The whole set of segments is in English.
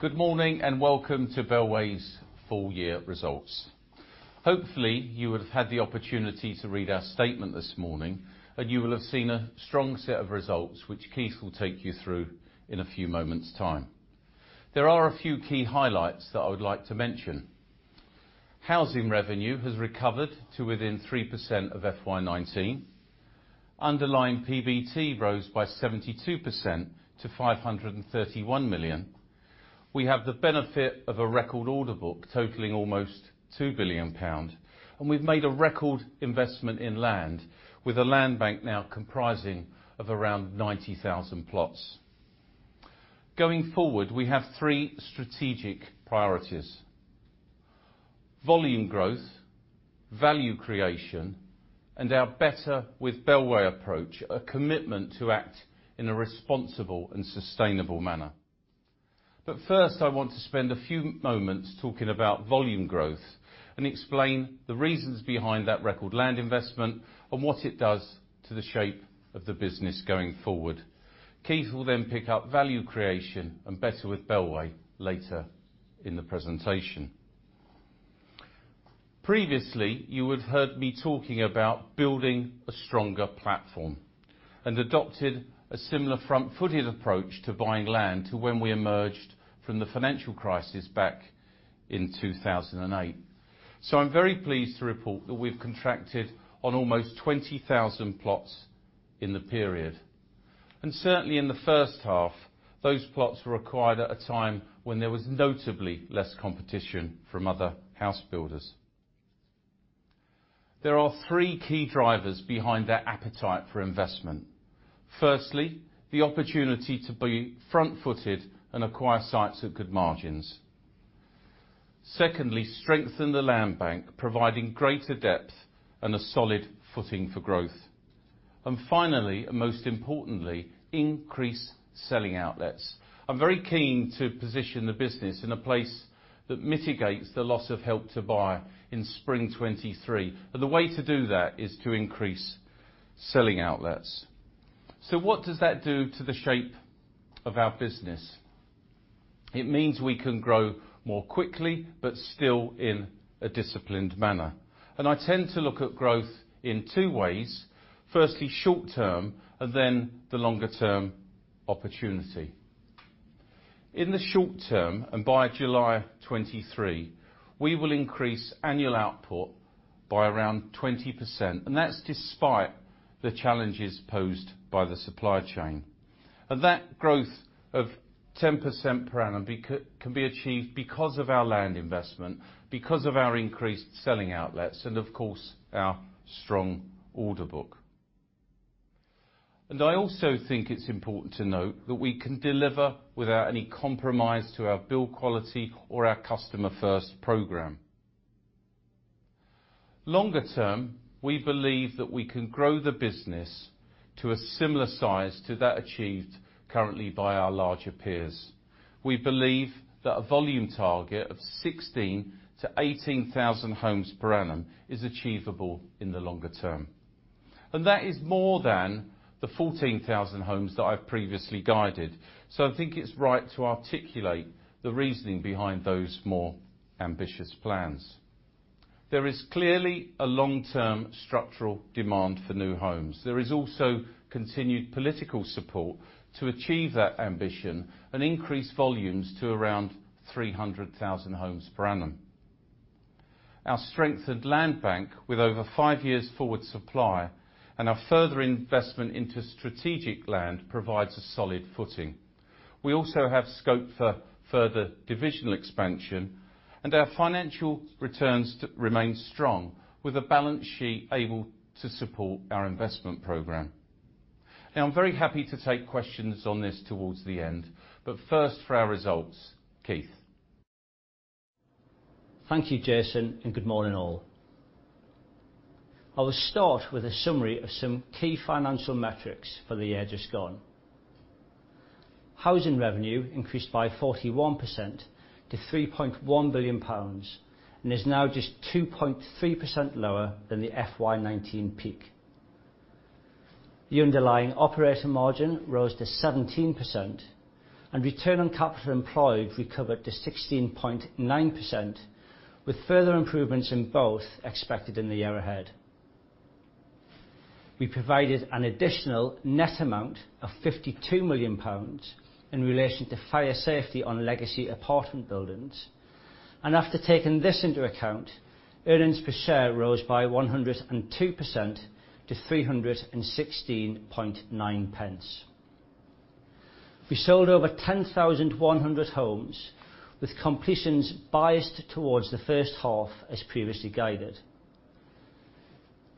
Good morning, welcome to Bellway's full year results. Hopefully, you will have had the opportunity to read our statement this morning and you will have seen a strong set of results, which Keith will take you through in a few moments' time. There are a few key highlights that I would like to mention. Housing revenue has recovered to within 3% of FY 2019. Underlying PBT rose by 72% to 531 million. We have the benefit of a record order book totaling almost 2 billion pound. We've made a record investment in land, with a land bank now comprising of around 90,000 plots. Going forward, we have three strategic priorities. Volume growth, value creation, and our Better with Bellway approach, a commitment to act in a responsible and sustainable manner. First, I want to spend a few moments talking about volume growth and explain the reasons behind that record land investment and what it does to the shape of the business going forward. Keith will then pick up value creation and Better with Bellway later in the presentation. Previously, you would've heard me talking about building a stronger platform and adopted a similar front-footed approach to buying land to when we emerged from the financial crisis back in 2008. I'm very pleased to report that we've contracted on almost 20,000 plots in the period. Certainly in the first half, those plots were acquired at a time when there was notably less competition from other house builders. There are three key drivers behind that appetite for investment. Firstly, the opportunity to be front-footed and acquire sites at good margins. Secondly, strengthen the land bank, providing greater depth and a solid footing for growth. Finally, and most importantly, increase selling outlets. I'm very keen to position the business in a place that mitigates the loss of Help to Buy in spring 2023. The way to do that is to increase selling outlets. What does that do to the shape of our business? It means we can grow more quickly, but still in a disciplined manner. I tend to look at growth in two ways. Firstly, short term, and then the longer term opportunity. In the short term, and by July 2023, we will increase annual output by around 20%, that's despite the challenges posed by the supply chain. That growth of 10% per annum can be achieved because of our land investment, because of our increased selling outlets, and of course, our strong order book. I also think it's important to note that we can deliver without any compromise to our build quality or our Customer First program. Longer term, we believe that we can grow the business to a similar size to that achieved currently by our larger peers. We believe that a volume target of 16 to 18,000 homes per annum is achievable in the longer term. That is more than the 14,000 homes that I've previously guided. I think it's right to articulate the reasoning behind those more ambitious plans. There is clearly a long-term structural demand for new homes. There is also continued political support to achieve that ambition and increase volumes to around 300,000 homes per annum. Our strengthened land bank, with over five years' forward supply, and our further investment into strategic land, provides a solid footing. We also have scope for further divisional expansion, and our financial returns to remain strong, with a balance sheet able to support our investment program. I'm very happy to take questions on this towards the end. First for our results, Keith. Thank you, Jason, and good morning, all. I will start with a summary of some key financial metrics for the year just gone. Housing revenue increased by 41% to 3.1 billion pounds and is now just 2.3% lower than the FY 2019 peak. The underlying operation margin rose to 17%, and return on capital employed recovered to 16.9%, with further improvements in both expected in the year ahead. We provided an additional net amount of 52 million pounds in relation to fire safety on legacy apartment buildings. After taking this into account, earnings per share rose by 102% to 3.169. We sold over 10,100 homes, with completions biased towards the first half as previously guided.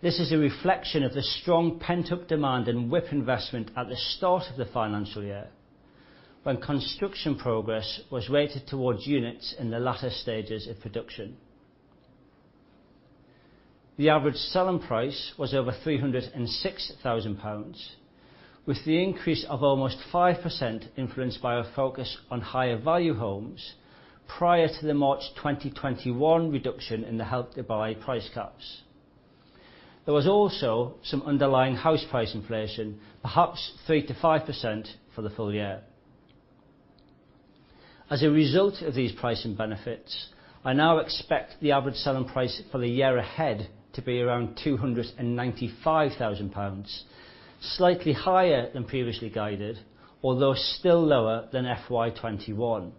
This is a reflection of the strong pent-up demand and WIP investment at the start of the financial year, when construction progress was weighted towards units in the latter stages of production. The average selling price was over 306,000 pounds, with the increase of almost 5% influenced by a focus on higher value homes, prior to the March 2021 reduction in the Help to Buy price caps. There was also some underlying house price inflation, perhaps 3%-5% for the full year. As a result of these pricing benefits, I now expect the average selling price for the year ahead to be around 295,000 pounds, slightly higher than previously guided, although still lower than FY 2021.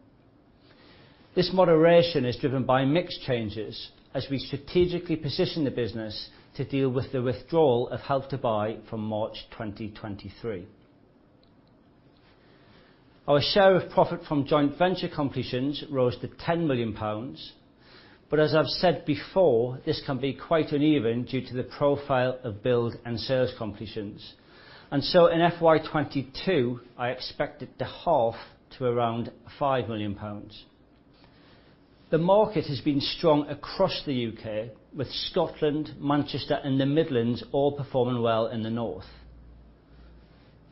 This moderation is driven by mix changes as we strategically position the business to deal with the withdrawal of Help to Buy from March 2023. Our share of profit from joint venture completions rose to 10 million pounds. As I've said before, this can be quite uneven due to the profile of build and sales completions. In FY 2022, I expect it to half to around 5 million pounds. The market has been strong across the U.K., with Scotland, Manchester, and the Midlands all performing well in the north.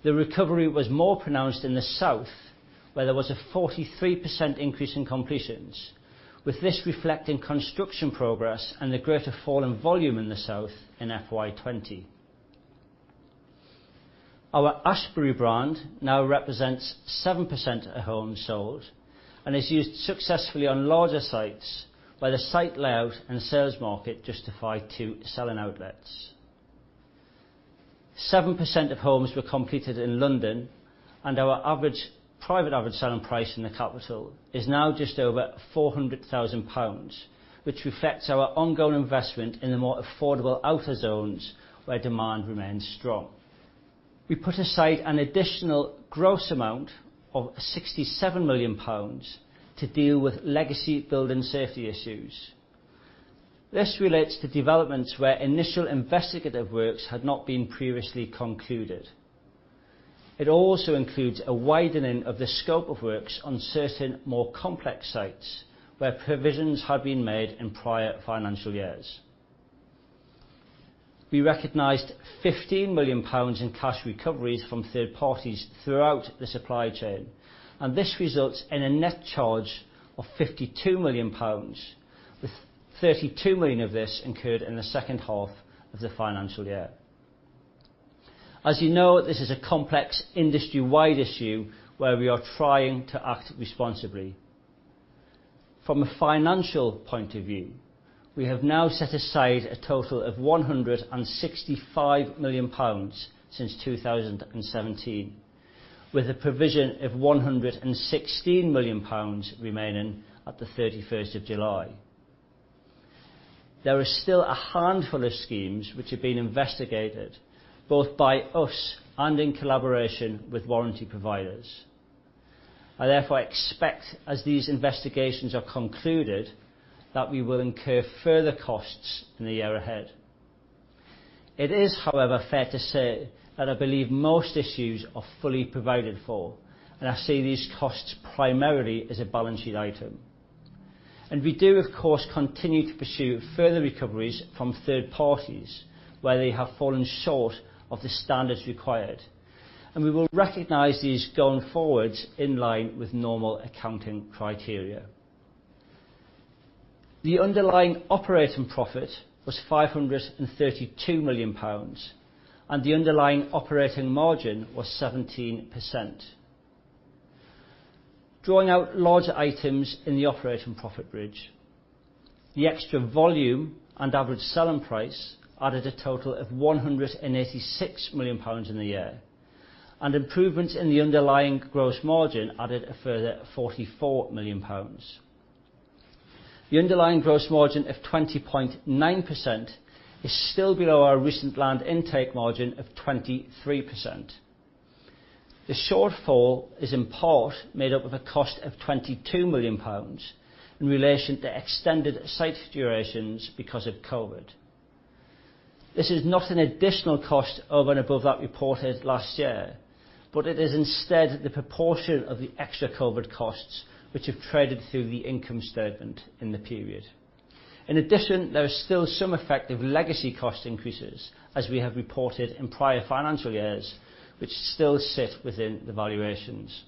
The recovery was more pronounced in the south, where there was a 43% increase in completions, with this reflecting construction progress and the greater fall in volume in the south in FY 2020. Our Ashberry brand now represents 7% of homes sold and is used successfully on larger sites where the site layout and sales market justify two selling outlets. 7% of homes were completed in London, and our private average selling price in the capital is now just over 400,000 pounds, which reflects our ongoing investment in the more affordable outer zones where demand remains strong. We put aside an additional gross amount of 67 million pounds to deal with legacy building safety issues. This relates to developments where initial investigative works had not been previously concluded. It also includes a widening of the scope of works on certain more complex sites where provisions had been made in prior financial years. We recognized 15 million pounds in cash recoveries from third parties throughout the supply chain, and this results in a net charge of 52 million pounds, with 32 million of this incurred in the second half of the financial year. As you know, this is a complex industry-wide issue where we are trying to act responsibly. From a financial point of view, we have now set aside a total of 165 million pounds since 2017, with a provision of 116 million pounds remaining at the 31st of July. There are still a handful of schemes which are being investigated, both by us and in collaboration with warranty providers. I, therefore, expect as these investigations are concluded, that we will incur further costs in the year ahead. It is, however, fair to say that I believe most issues are fully provided for, and I see these costs primarily as a balancing item. We do, of course, continue to pursue further recoveries from third parties where they have fallen short of the standards required, and we will recognize these going forward in line with normal accounting criteria. The underlying operating profit was 532 million pounds, and the underlying operating margin was 17%. Drawing out large items in the operating profit bridge. The extra volume and average selling price added a total of 186 million pounds in the year, and improvements in the underlying gross margin added a further 44 million pounds. The underlying gross margin of 20.9% is still below our recent land intake margin of 23%. The shortfall is in part made up of a cost of 22 million pounds in relation to extended site durations because of COVID. This is not an additional cost over and above that reported last year, but it is instead the proportion of the extra COVID costs which have traded through the income statement in the period. In addition, there is still some effect of legacy cost increases as we have reported in prior financial years, which still sit within the valuations.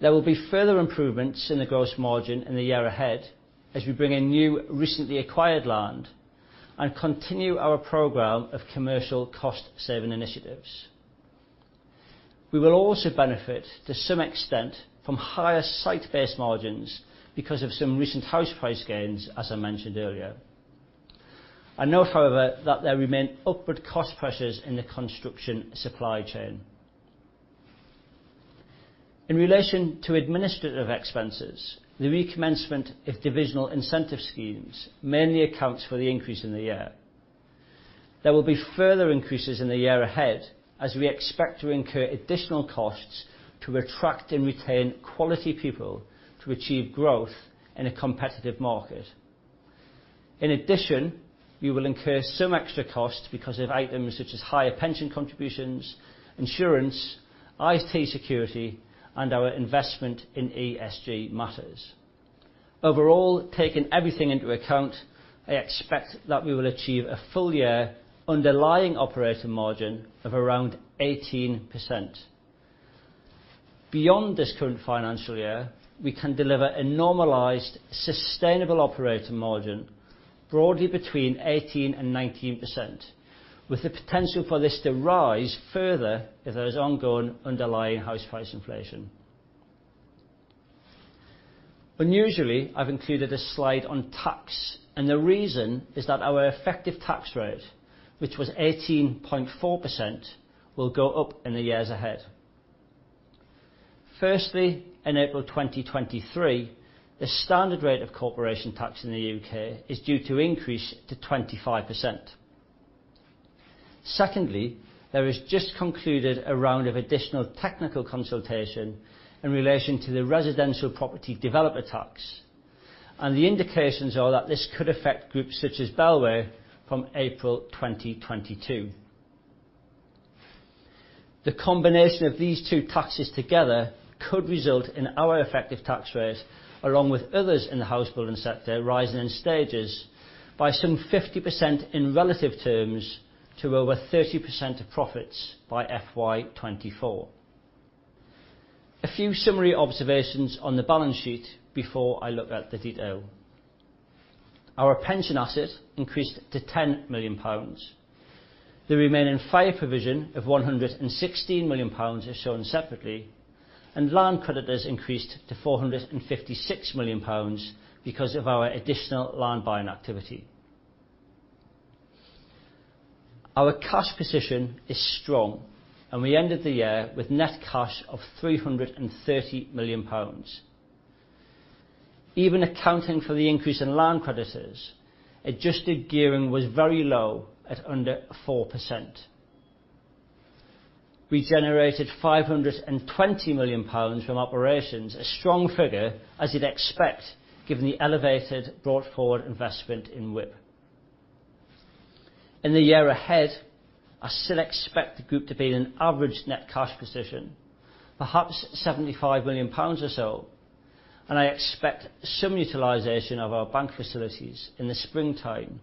There will be further improvements in the gross margin in the year ahead as we bring in new, recently acquired land and continue our program of commercial cost-saving initiatives. We will also benefit to some extent from higher site-based margins because of some recent house price gains, as I mentioned earlier. I note, however, that there remain upward cost pressures in the construction supply chain. In relation to administrative expenses, the recommencement of divisional incentive schemes mainly accounts for the increase in the year. There will be further increases in the year ahead as we expect to incur additional costs to attract and retain quality people to achieve growth in a competitive market. In addition, we will incur some extra costs because of items such as higher pension contributions, insurance, IT security, and our investment in ESG matters. Overall, taking everything into account, I expect that we will achieve a full-year underlying operating margin of around 18%. Beyond this current financial year, we can deliver a normalized, sustainable operating margin broadly between 18% and 19%, with the potential for this to rise further if there is ongoing underlying house price inflation. Unusually, I've included a slide on tax, and the reason is that our effective tax rate, which was 18.4%, will go up in the years ahead. Firstly, in April 2023, the standard rate of corporation tax in the U.K. is due to increase to 25%. Secondly, there is just concluded a round of additional technical consultation in relation to the Residential Property Developer Tax, and the indications are that this could affect groups such as Bellway from April 2022. The combination of these two taxes together could result in our effective tax rates, along with others in the housebuilding sector, rising in stages by some 50% in relative terms to over 30% of profits by FY 2024. A few summary observations on the balance sheet before I look at the detail. Our pension asset increased to 10 million pounds. The remaining fire provision of 116 million pounds is shown separately. Land creditors increased to 456 million pounds because of our additional land-buying activity. Our cash position is strong, and we ended the year with net cash of 330 million pounds. Even accounting for the increase in land creditors, adjusted gearing was very low at under 4%. We generated 520 million pounds from operations, a strong figure as you'd expect given the elevated brought-forward investment in WIP. In the year ahead, I still expect the group to be in an average net cash position, perhaps 75 million pounds or so, and I expect some utilization of our bank facilities in the springtime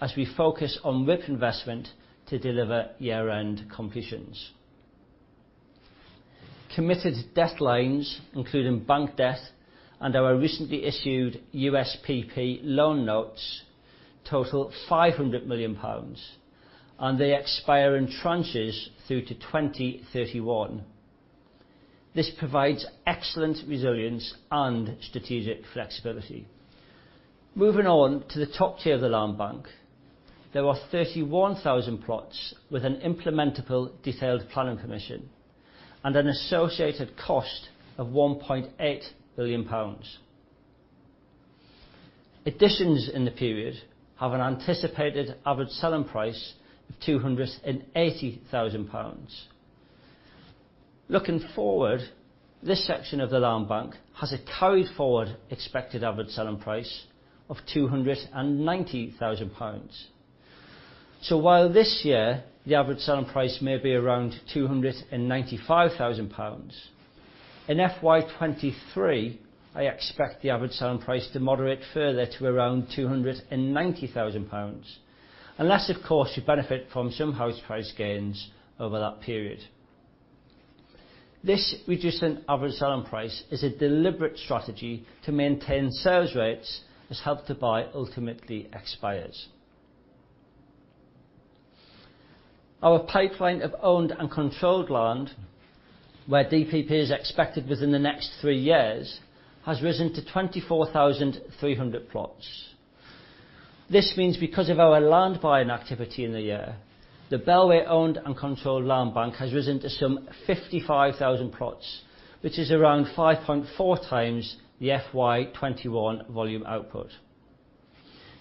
as we focus on WIP investment to deliver year-end completions. Committed debt lines, including bank debt and our recently issued USPP loan notes, total 500 million pounds, and they expire in tranches through to 2031. This provides excellent resilience and strategic flexibility. Moving on to the top tier of the land bank. There are 31,000 plots with an implementable detailed planning permission and an associated cost of 1.8 billion pounds. Additions in the period have an anticipated average selling price of 280,000 pounds. Looking forward, this section of the land bank has a carried forward expected average selling price of 290,000 pounds. While this year, the average selling price may be around 295,000 pounds, in FY 2023, I expect the average selling price to moderate further to around 290,000 pounds, unless of course, we benefit from some house price gains over that period. This reduced average selling price is a deliberate strategy to maintain sales rates as Help to Buy ultimately expires. Our pipeline of owned and controlled land, where DPP is expected within the next three years, has risen to 24,300 plots. This means because of our land-buying activity in the year, the Bellway owned and controlled land bank has risen to some 55,000 plots, which is around 5.4 times the FY 2021 volume output.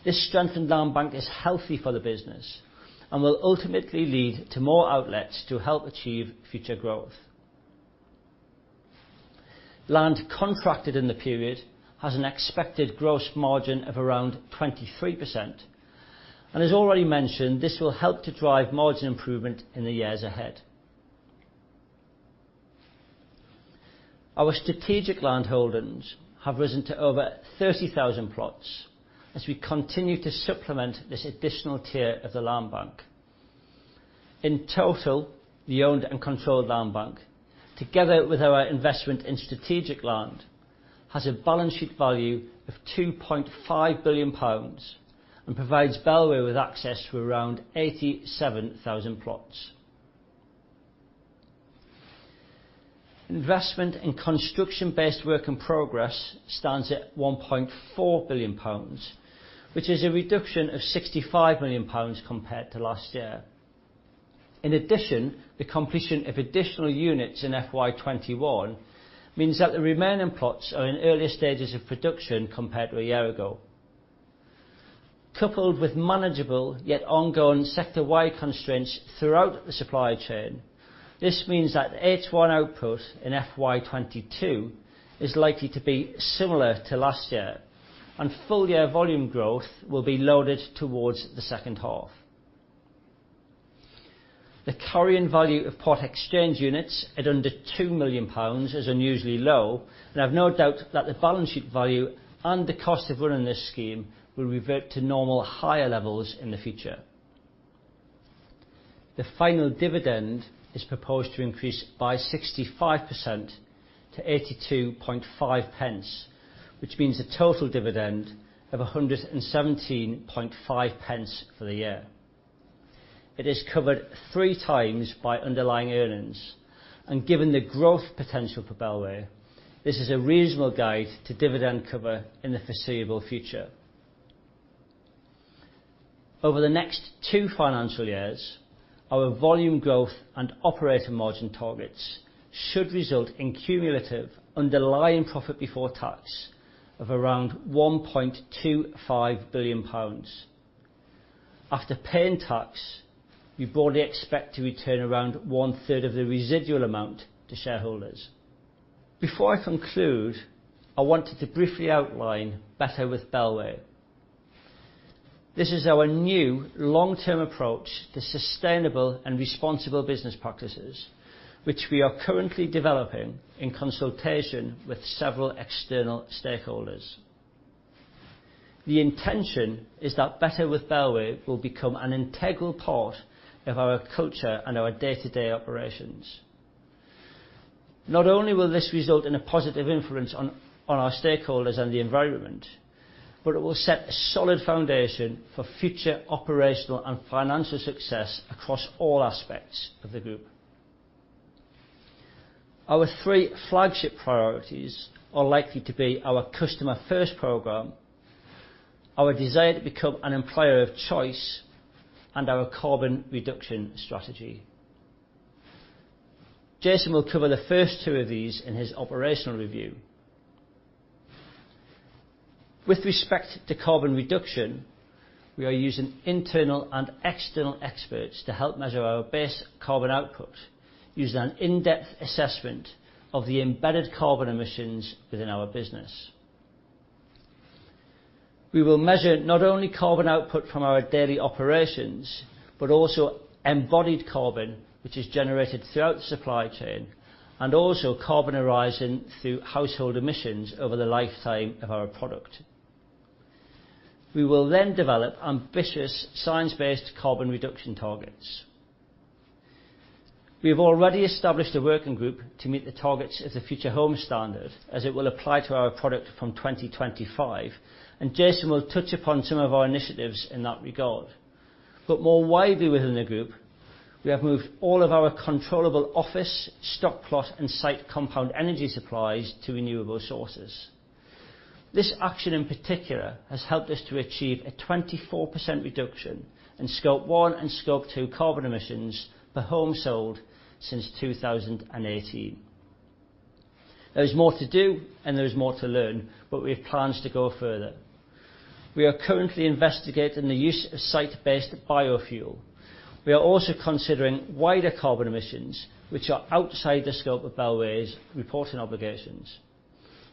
This strengthened land bank is healthy for the business and will ultimately lead to more outlets to help achieve future growth. Land contracted in the period has an expected gross margin of around 23%, and as already mentioned, this will help to drive margin improvement in the years ahead. Our strategic land holdings have risen to over 30,000 plots as we continue to supplement this additional tier of the land bank. In total, the owned and controlled land bank, together with our investment in strategic land, has a balance sheet value of 2.5 billion pounds and provides Bellway with access to around 87,000 plots. Investment in construction-based work in progress stands at 1.4 billion pounds, which is a reduction of 65 million pounds compared to last year. In addition, the completion of additional units in FY 2021 means that the remaining plots are in earlier stages of production compared to a year ago. Coupled with manageable yet ongoing sector-wide constraints throughout the supply chain, this means that H1 output in FY 2022 is likely to be similar to last year, and full-year volume growth will be loaded towards the second half. The carrying value of plot exchange units at under 2 million pounds is unusually low, and I have no doubt that the balance sheet value and the cost of running this scheme will revert to normal higher levels in the future. The final dividend is proposed to increase by 65% to 0.825, which means a total dividend of 1.175 for the year. It is covered 3 times by underlying earnings, and given the growth potential for Bellway, this is a reasonable guide to dividend cover in the foreseeable future. Over the next two financial years, our volume growth and operating margin targets should result in cumulative underlying profit before tax of around 1.25 billion pounds. After paying tax, we broadly expect to return around one-third of the residual amount to shareholders. Before I conclude, I wanted to briefly outline Better with Bellway. This is our new long-term approach to sustainable and responsible business practices, which we are currently developing in consultation with several external stakeholders. The intention is that Better with Bellway will become an integral part of our culture and our day-to-day operations. Not only will this result in a positive influence on our stakeholders and the environment, but it will set a solid foundation for future operational and financial success across all aspects of the group. Our three flagship priorities are likely to be our Customer First program, our desire to become an employer of choice, and our carbon reduction strategy. Jason will cover the first two of these in his operational review. With respect to carbon reduction, we are using internal and external experts to help measure our base carbon output using an in-depth assessment of the embedded carbon emissions within our business. We will measure not only carbon output from our daily operations, but also embodied carbon, which is generated throughout the supply chain, and also carbon arising through household emissions over the lifetime of our product. We will develop ambitious science-based carbon reduction targets. We have already established a working group to meet the targets of the Future Homes Standard as it will apply to our product from 2025, and Jason will touch upon some of our initiatives in that regard. More widely within the group, we have moved all of our controllable office, stock plot, and site compound energy supplies to renewable sources. This action in particular has helped us to achieve a 24% reduction in Scope 1 and Scope 2 carbon emissions per home sold since 2018. There is more to do and there is more to learn, but we have plans to go further. We are currently investigating the use of site-based biofuel. We are also considering wider carbon emissions, which are outside the scope of Bellway's reporting obligations.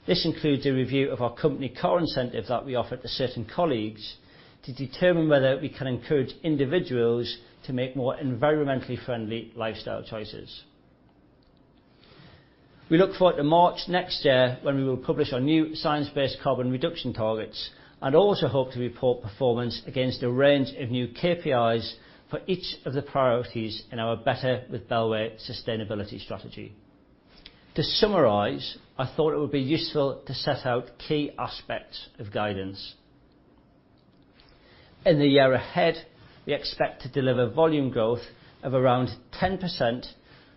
This includes a review of our company car incentive that we offer to certain colleagues to determine whether we can encourage individuals to make more environmentally friendly lifestyle choices. We look forward to March next year when we will publish our new science-based carbon reduction targets and also hope to report performance against a range of new KPIs for each of the priorities in our Better with Bellway sustainability strategy. To summarize, I thought it would be useful to set out key aspects of guidance. In the year ahead, we expect to deliver volume growth of around 10%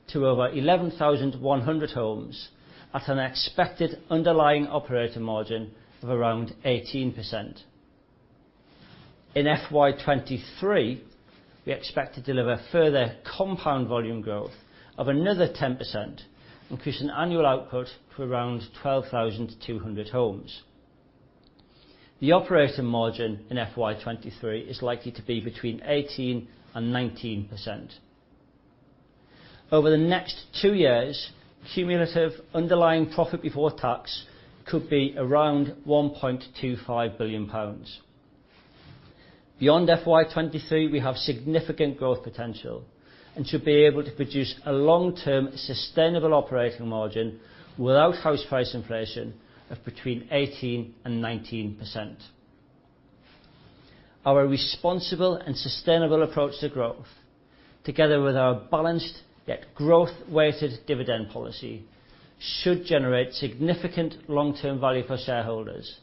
to over 11,100 homes at an expected underlying operating margin of around 18%. In FY 2023, we expect to deliver further compound volume growth of another 10%, increasing annual output to around 12,200 homes. The operating margin in FY 2023 is likely to be between 18% and 19%. Over the next two years, cumulative underlying profit before tax could be around 1.25 billion pounds. Beyond FY 2023, we have significant growth potential and should be able to produce a long-term sustainable operating margin without house price inflation of between 18% and 19%. Our responsible and sustainable approach to growth, together with our balanced yet growth-weighted dividend policy, should generate significant long-term value for shareholders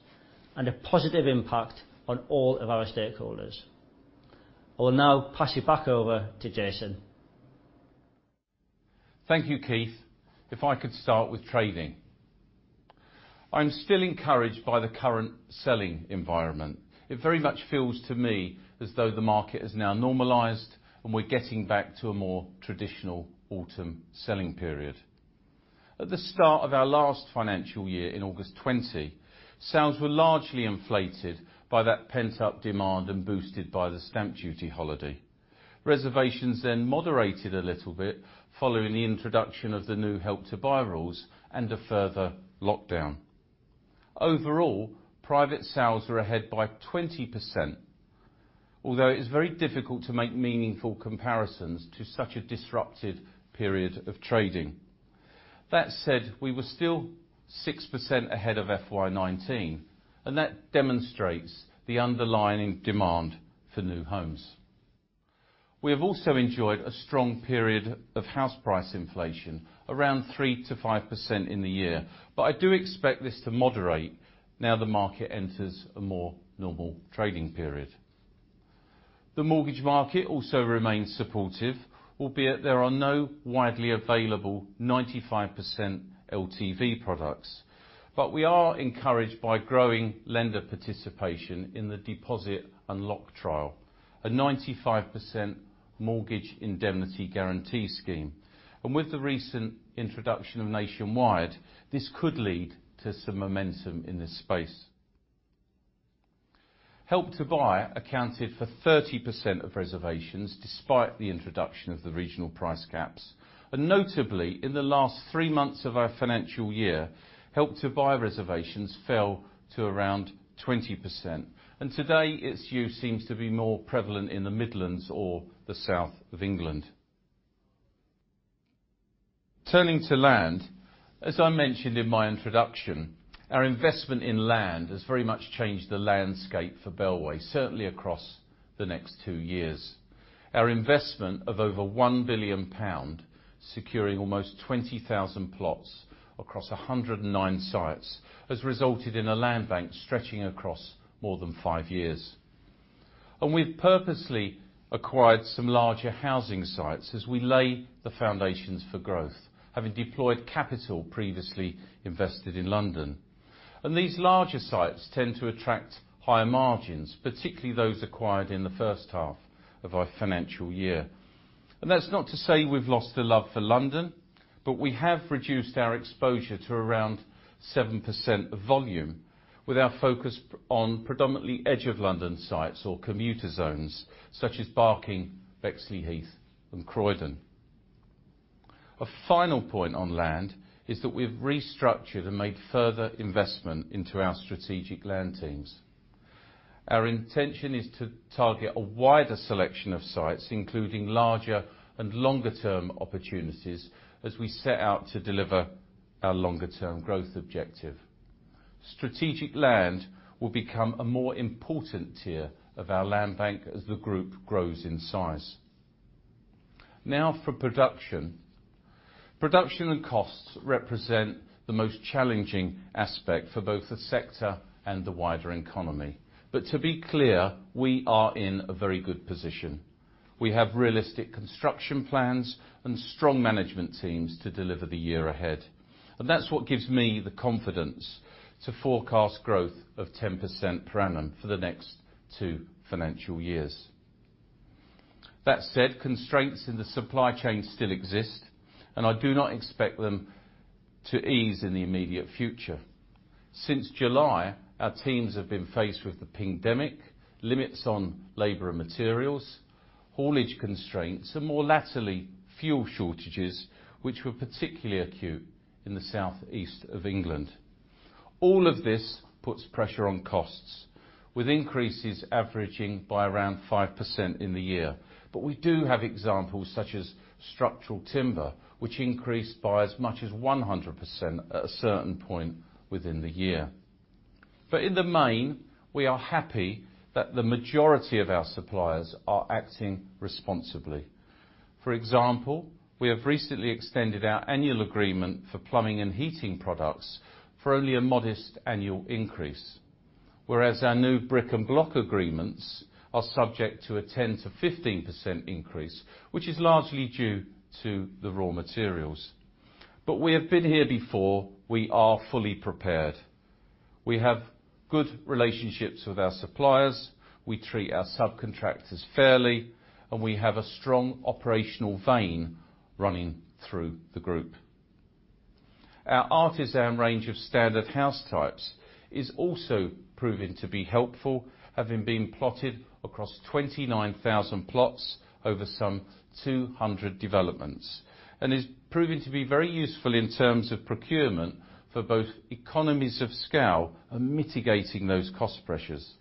and a positive impact on all of our stakeholders. I will now pass it back over to Jason. Thank you, Keith. If I could start with trading. I'm still encouraged by the current selling environment. It very much feels to me as though the market has now normalized and we're getting back to a more traditional autumn selling period. At the start of our last financial year in August 2020, sales were largely inflated by that pent-up demand and boosted by the stamp duty holiday. Reservations then moderated a little bit following the introduction of the new Help to Buy rules and a further lockdown. Overall, private sales are ahead by 20%, although it is very difficult to make meaningful comparisons to such a disruptive period of trading. That said, we were still 6% ahead of FY 2019, and that demonstrates the underlying demand for new homes. We have also enjoyed a strong period of house price inflation, around 3%-5% in the year, I do expect this to moderate now the market enters a more normal trading period. The mortgage market also remains supportive, albeit there are no widely available 95% LTV products. We are encouraged by growing lender participation in the Deposit Unlock trial, a 95% mortgage indemnity guarantee scheme. With the recent introduction of Nationwide, this could lead to some momentum in this space. Help to Buy accounted for 30% of reservations, despite the introduction of the regional price caps. Notably, in the last three months of our financial year, Help to Buy reservations fell to around 20%, and today its use seems to be more prevalent in the Midlands or the south of England. Turning to land, as I mentioned in my introduction, our investment in land has very much changed the landscape for Bellway, certainly across the next two years. Our investment of over 1 billion pound, securing almost 20,000 plots across 109 sites, has resulted in a land bank stretching across more than five years. We've purposely acquired some larger housing sites as we lay the foundations for growth, having deployed capital previously invested in London. These larger sites tend to attract higher margins, particularly those acquired in the first half of our financial year. That's not to say we've lost a love for London, but we have reduced our exposure to around 7% of volume, with our focus on predominantly edge of London sites or commuter zones, such as Barking, Bexleyheath, and Croydon. A final point on land is that we've restructured and made further investment into our strategic land teams. Our intention is to target a wider selection of sites, including larger and longer-term opportunities, as we set out to deliver our longer-term growth objective. Strategic land will become a more important tier of our land bank as the group grows in size. For production. Production and costs represent the most challenging aspect for both the sector and the wider economy. To be clear, we are in a very good position. We have realistic construction plans and strong management teams to deliver the year ahead. That's what gives me the confidence to forecast growth of 10% per annum for the next two financial years. That said, constraints in the supply chain still exist, and I do not expect them to ease in the immediate future. Since July, our teams have been faced with the pingdemic, limits on labor and materials, haulage constraints, and more latterly, fuel shortages, which were particularly acute in the Southeast of England. All of this puts pressure on costs, with increases averaging by around 5% in the year. We do have examples such as structural timber, which increased by as much as 100% at a certain point within the year. In the main, we are happy that the majority of our suppliers are acting responsibly. For example, we have recently extended our annual agreement for plumbing and heating products for only a modest annual increase, whereas our new brick and block agreements are subject to a 10%-15% increase, which is largely due to the raw materials. We have been here before. We are fully prepared. We have good relationships with our suppliers, we treat our subcontractors fairly, and we have a strong operational vein running through the group. Our Artisan range of standard house types is also proving to be helpful, having been plotted across 29,000 plots over some 200 developments, and is proving to be very useful in terms of procurement for both economies of scale and mitigating those cost pressures.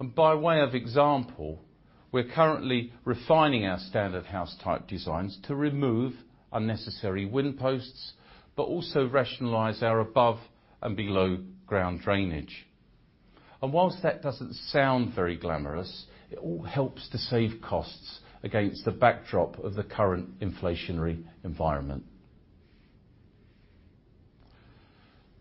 By way of example, we're currently refining our standard house type designs to remove unnecessary wind posts, but also rationalize our above and below ground drainage. Whilst that doesn't sound very glamorous, it all helps to save costs against the backdrop of the current inflationary environment.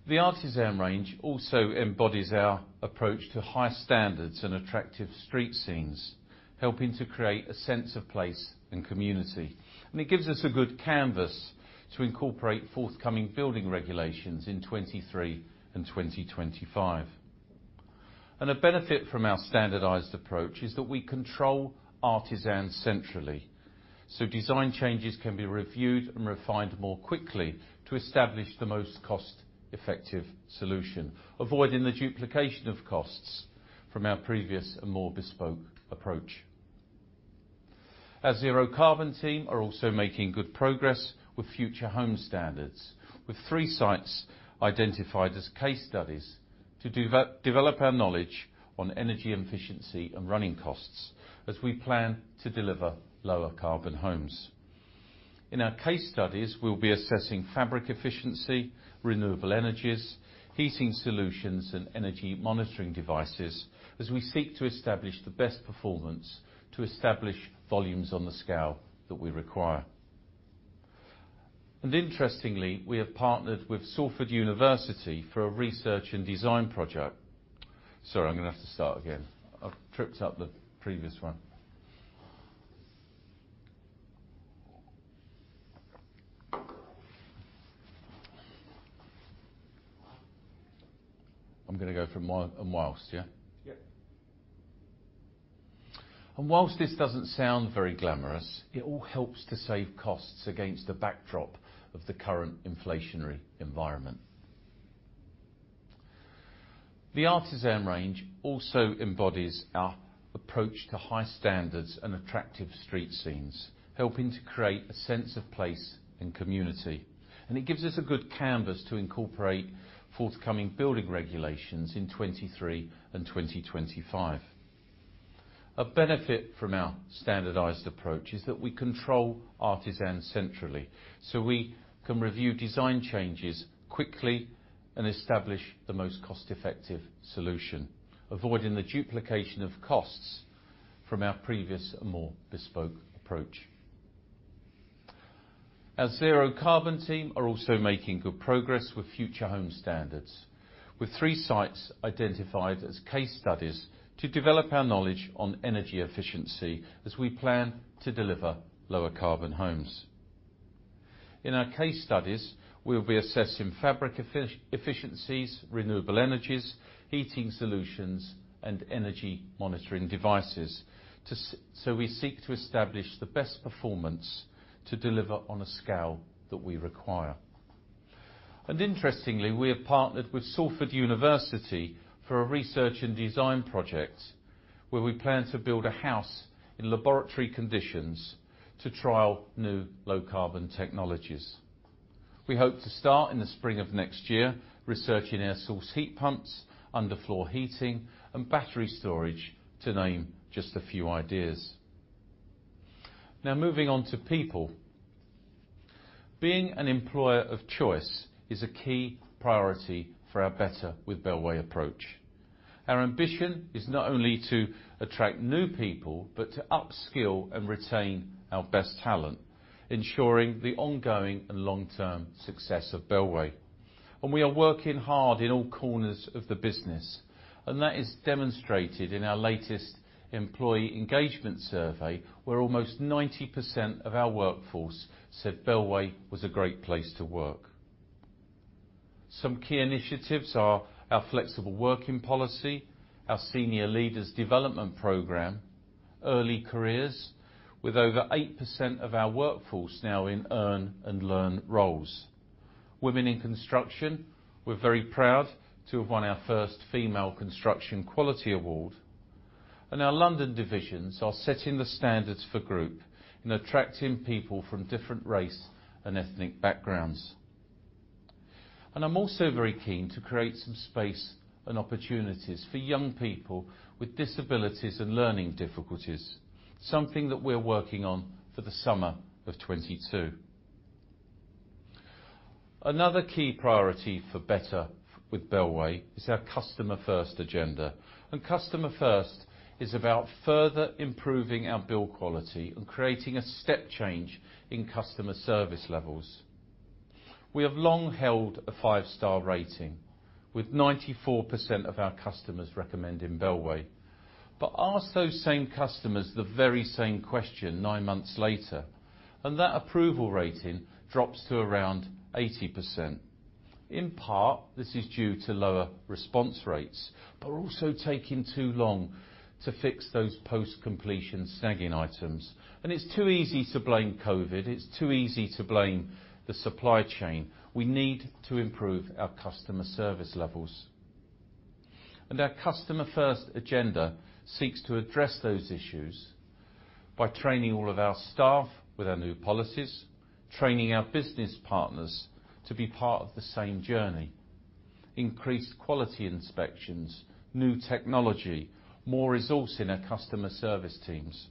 The Artisan range also embodies our approach to high standards and attractive street scenes, helping to create a sense of place and community, and it gives us a good canvas to incorporate forthcoming building regulations in 2023 and 2025. A benefit from our standardized approach is that we control Artisan centrally. Design changes can be reviewed and refined more quickly to establish the most cost-effective solution, avoiding the duplication of costs from our previous and more bespoke approach. Our zero-carbon team are also making good progress with Future Homes Standard, with three sites identified as case studies. To develop our knowledge on energy efficiency and running costs as we plan to deliver lower carbon homes. In our case studies, we'll be assessing fabric efficiency, renewable energies, heating solutions, and energy monitoring devices as we seek to establish the best performance to establish volumes on the scale that we require. Interestingly, we have partnered with Salford University for a research and design project. Sorry, I'm going to have to start again. I've tripped up the previous one. I'm going to go from, "And whilst," yeah? Whilst this doesn't sound very glamorous, it all helps to save costs against the backdrop of the current inflationary environment. The Artisan Collection also embodies our approach to high standards and attractive street scenes, helping to create a sense of place and community, and it gives us a good canvas to incorporate forthcoming building regulations in 2023 and 2025. A benefit from our standardized approach is that we control Artisan Collection centrally, so we can review design changes quickly and establish the most cost-effective solution, avoiding the duplication of costs from our previous, more bespoke approach. Our zero carbon team are also making good progress with Future Homes Standard, with three sites identified as case studies to develop our knowledge on energy efficiency as we plan to deliver lower carbon homes. In our case studies, we'll be assessing fabric efficiencies, renewable energies, heating solutions, and energy monitoring devices. We seek to establish the best performance to deliver on a scale that we require. Interestingly, we have partnered with University of Salford for a research and design project where we plan to build a house in laboratory conditions to trial new low-carbon technologies. We hope to start in the spring of next year, researching air source heat pumps, underfloor heating, and battery storage, to name just a few ideas. Moving on to people. Being an employer of choice is a key priority for our Better with Bellway approach. Our ambition is not only to attract new people, but to upskill and retain our best talent, ensuring the ongoing and long-term success of Bellway. We are working hard in all corners of the business, and that is demonstrated in our latest employee engagement survey, where almost 90% of our workforce said Bellway was a great place to work. Some key initiatives are our flexible working policy, our Senior Leaders Development Program, early careers, with over 8% of our workforce now in earn and learn roles. Women in Construction. We're very proud to have won our first Female Construction Quality Award. Our London divisions are setting the standards for group in attracting people from different race and ethnic backgrounds. I'm also very keen to create some space and opportunities for young people with disabilities and learning difficulties, something that we're working on for the summer of 2022. Another key priority for Better with Bellway is our Customer First agenda, and Customer First is about further improving our build quality and creating a step change in customer service levels. We have long held a five star rating, with 94% of our customers recommending Bellway. Ask those same customers the very same question nine months later, and that approval rating drops to around 80%. In part, this is due to lower response rates, but we're also taking too long to fix those post-completion snagging items. It's too easy to blame COVID. It's too easy to blame the supply chain. We need to improve our customer service levels. Our Customer First agenda seeks to address those issues by training all of our staff with our new policies, training our business partners to be part of the same journey, increased quality inspections, new technology, more resource in our customer service teams,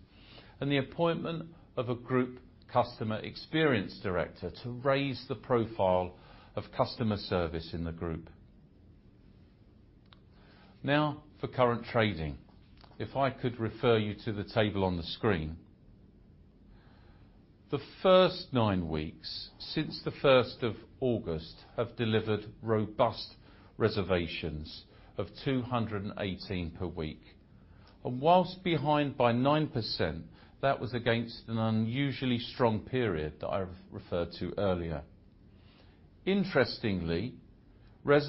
and the appointment of a group customer experience director to raise the profile of customer service in the group. Now for current trading, if I could refer you to the table on the screen. The first nine weeks since the 1st of August have delivered robust reservations of 218 per week. Whilst behind by 9%, that was against an unusually strong period that I've referred to earlier. Interestingly,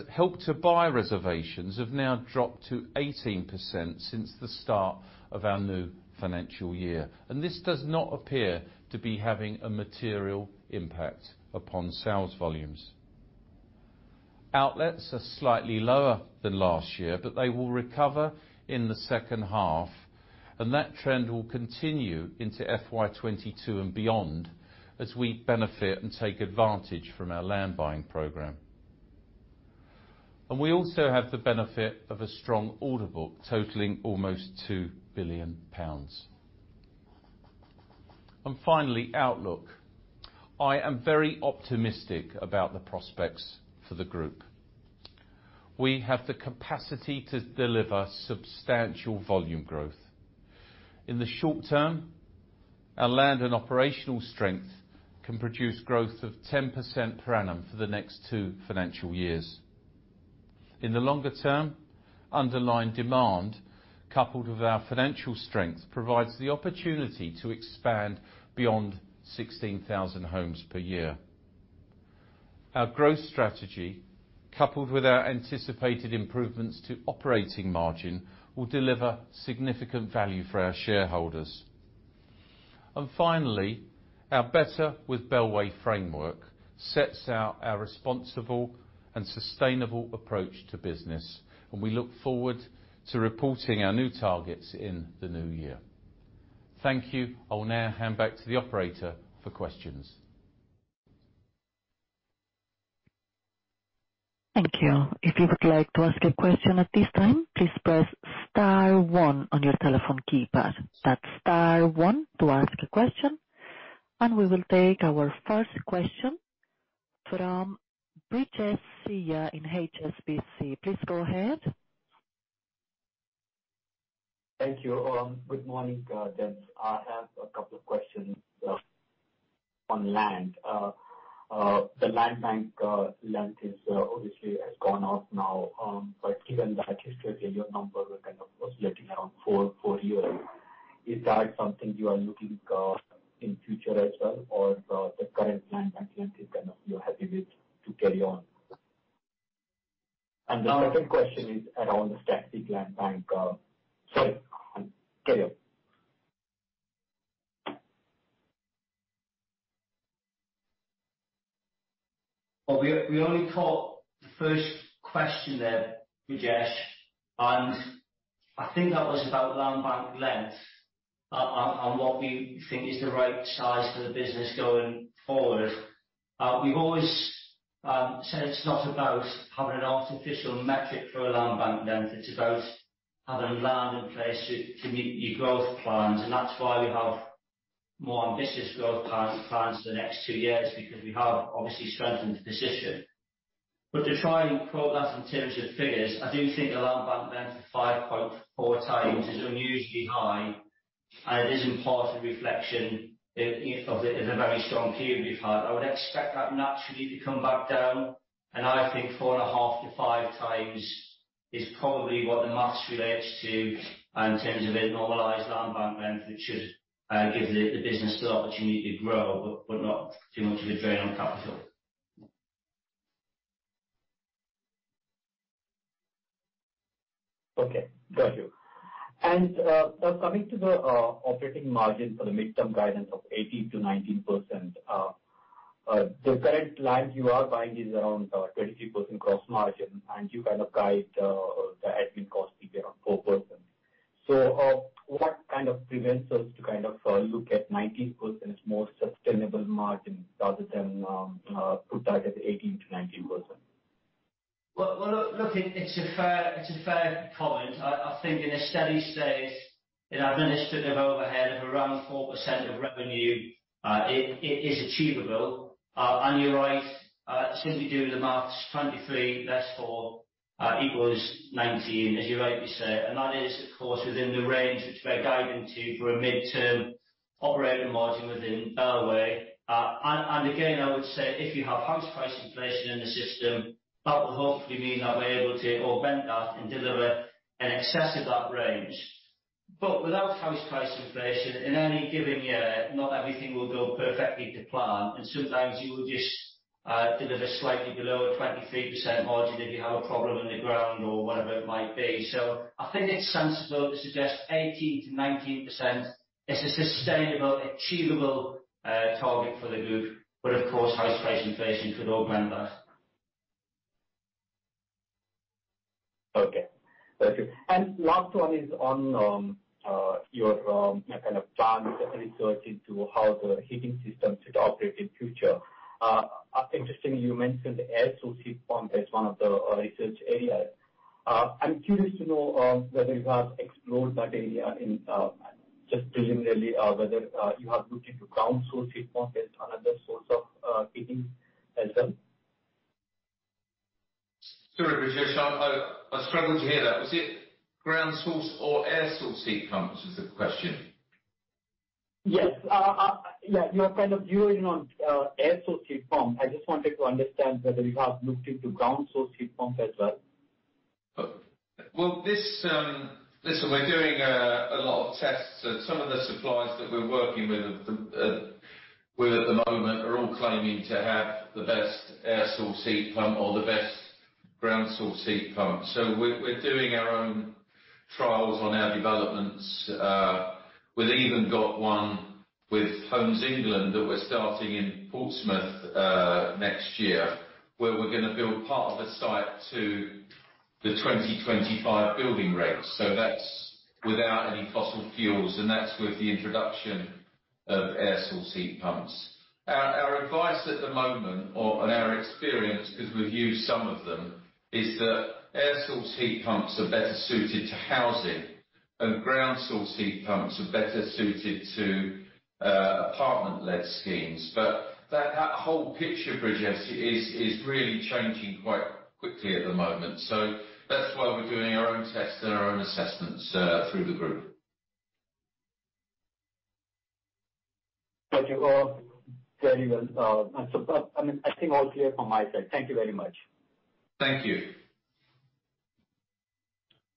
Help to Buy reservations have now dropped to 18% since the start of our new financial year, and this does not appear to be having a material impact upon sales volumes. Outlets are slightly lower than last year, but they will recover in the second half. That trend will continue into FY 2022 and beyond as we benefit and take advantage from our land buying program. We also have the benefit of a strong order book totaling almost GBP 2 billion. Finally, outlook. I am very optimistic about the prospects for the group. We have the capacity to deliver substantial volume growth. In the short term, our land and operational strength can produce growth of 10% per annum for the next two financial years. In the longer term, underlying demand, coupled with our financial strength, provides the opportunity to expand beyond 16,000 homes per year. Our growth strategy, coupled with our anticipated improvements to operating margin, will deliver significant value for our shareholders. Finally, our Better with Bellway framework sets out our responsible and sustainable approach to business, and we look forward to reporting our new targets in the new year. Thank you. I'll now hand back to the operator for questions. Thank you. If you would like to ask a question at this time, please press star one on your telephone keypad. That's star one to ask a question, and we will take our first question from Brijesh Siya in HSBC. Please go ahead. Thank you. Good morning, guys. I have a couple of questions on land. The land bank length obviously has gone up now, but given the history and your numbers are kind of oscillating around 4 yearly. Is that something you are looking in future as well, or the current land bank length is kind of you're happy with to carry on? The second question is around the static land bank. Sorry. Carry on. We only caught the first question there, Brijesh, and I think that was about land bank length and what we think is the right size for the business going forward. We've always said it's not about having an artificial metric for a land bank length. It's about having land in place to meet your growth plans, and that's why we have more ambitious growth plans for the next two years, because we have obviously strengthened the position. To try and quote that in terms of figures, I do think the land bank length of 5.4 times is unusually high, and it is in part a reflection of it as a very strong period we've had. I would expect that naturally to come back down. I think 4.5 times-5 times is probably what the math relates to in terms of a normalized land bank length, which should give the business the opportunity to grow but not too much of a drain on capital. Okay. Got you. Coming to the operating margin for the midterm guidance of 18%-19%. The current land you are buying is around 23% gross margin, and you kind of guide the admin cost to be around 4%. What kind of prevents us to look at 19% as a more sustainable margin rather than put that at 18%-19%? Well, look, it's a fair comment. I think in a steady state, an administrative overhead of around 4% of revenue, it is achievable. You're right. Simply doing the maths, 23 less 4 equals 19, as you rightly say. That is, of course, within the range which we're guiding to for a midterm operating margin within Bellway. Again, I would say if you have house price inflation in the system, that will hopefully mean that we're able to augment that and deliver in excess of that range. Without house price inflation, in any given year, not everything will go perfectly to plan, and sometimes you will just deliver slightly below a 23% margin if you have a problem on the ground or whatever it might be. I think it's sensible to suggest 18%-19% is a sustainable, achievable target for the group. Of course, house price inflation could augment that. Okay. Thank you. Last one is on your kind of plans and research into how the heating systems should operate in future. Interestingly, you mentioned air source heat pump as one of the research areas. I'm curious to know whether you have explored that area just preliminarily or whether you have looked into ground source heat pumps as another source of heating as well. Sorry, Brijesh. I struggled to hear that. Was it ground source or air source heat pumps was the question? Yes. You are kind of zeroing on air source heat pump. I just wanted to understand whether you have looked into ground source heat pumps as well. Listen, we're doing a lot of tests and some of the suppliers that we're working with at the moment are all claiming to have the best air source heat pump or the best ground source heat pump. We're doing our own trials on our developments. We've even got one with Homes England that we're starting in Portsmouth next year, where we're going to build part of the site to the 2025 building rates. That's without any fossil fuels, and that's with the introduction of air source heat pumps. Our advice at the moment, and our experience, because we've used some of them, is that air source heat pumps are better suited to housing and ground source heat pumps are better suited to apartment-led schemes. That whole picture, Brijesh, is really changing quite quickly at the moment. That's why we're doing our own tests and our own assessments through the group. Thank you. All very well. I think all clear from my side. Thank you very much. Thank you.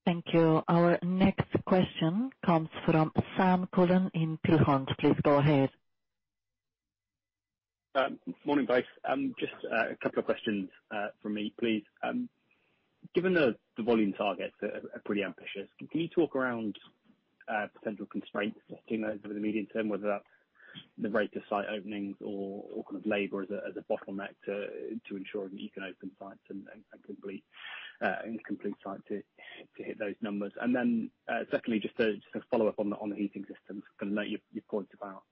Thank you. Our next question comes from Sam Cullen in Peel Hunt. Please go ahead. Morning, guys. Just a couple of questions from me, please. Given that the volume targets are pretty ambitious, can you talk around potential constraints affecting those over the medium term, whether that's the rate of site openings or kind of labor as a bottleneck to ensure that you can open sites and complete sites to hit those numbers? Secondly, just to follow up on the heating systems, I know your point about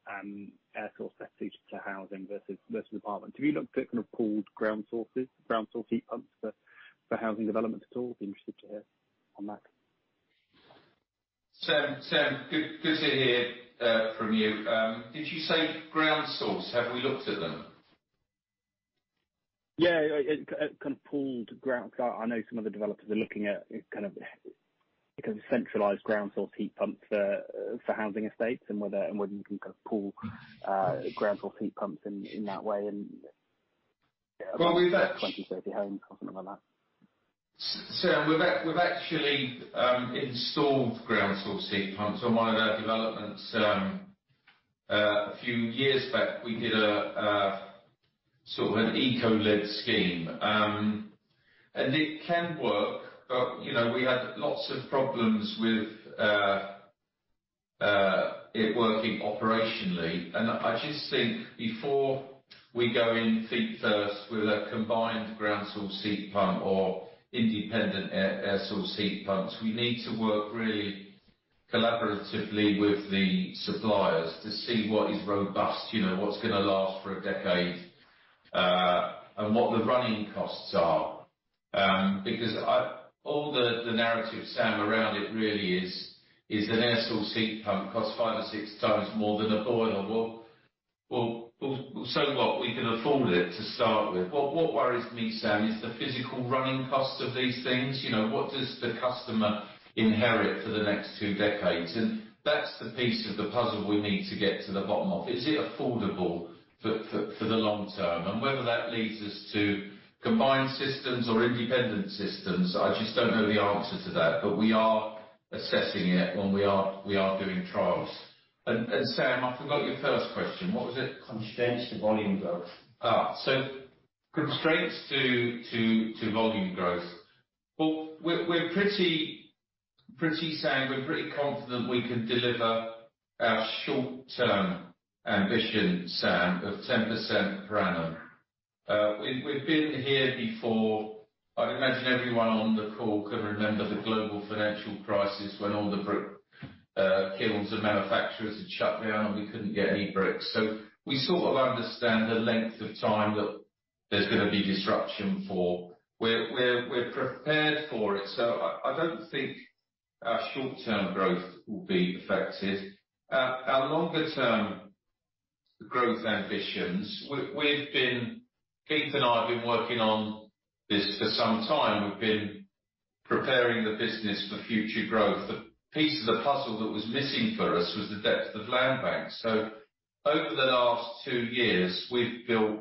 air source that suits to housing versus apartments. Have you looked at kind of pooled ground sources, ground source heat pumps for housing developments at all? Be interested to hear on that. Sam, good to hear from you. Did you say ground source? Have we looked at them? Yeah. Kind of pooled ground I know some of the developers are looking at kind of centralized ground source heat pumps for housing estates and whether you can kind of pool ground source heat pumps in that way. Well, we've ac. 20, 30 homes, something like that. Sam, we've actually installed ground source heat pumps on one of our developments. A few years back, we did a sort of an eco-led scheme. It can work, but we had lots of problems with it working operationally. I just think before we go in feet first with a combined ground source heat pump or independent air source heat pumps, we need to work really collaboratively with the suppliers to see what is robust, what's going to last for a decade, and what the running costs are. Because all the narrative, Sam, around it really is an air source heat pump costs five or six times more than a boiler. Well, so what? We can afford it to start with. What worries me, Sam, is the physical running cost of these things. What does the customer inherit for the next two decades? That's the piece of the puzzle we need to get to the bottom of. Is it affordable for the long term? Whether that leads us to combined systems or independent systems, I just don't know the answer to that. We are assessing it and we are doing trials. Sam, I forgot your first question. What was it? Constraints to volume growth. Constraints to volume growth. Well, we're pretty confident we can deliver our short-term ambition, Sam, of 10% per annum. We've been here before. I'd imagine everyone on the call can remember the global financial crisis when all the brick kilns and manufacturers had shut down, and we couldn't get any bricks. We sort of understand the length of time that there's going to be disruption for. We're prepared for it. I don't think our short-term growth will be affected. Our longer-term growth ambitions, Keith and I have been working on this for some time. We've been preparing the business for future growth. The piece of the puzzle that was missing for us was the depth of land bank. Over the last two years, we've built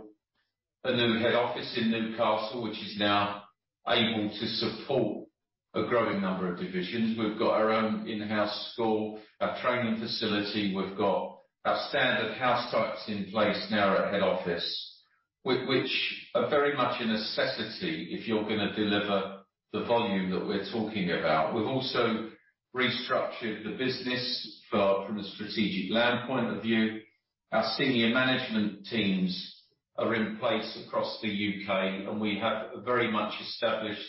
a new head office in Newcastle, which is now able to support a growing number of divisions. We've got our own in-house school, a training facility. We've got our standard house types in place now at head office, which are very much a necessity if you're going to deliver the volume that we're talking about. We've also restructured the business from a strategic land point of view. Our senior management teams are in place across the U.K., and we have a very much established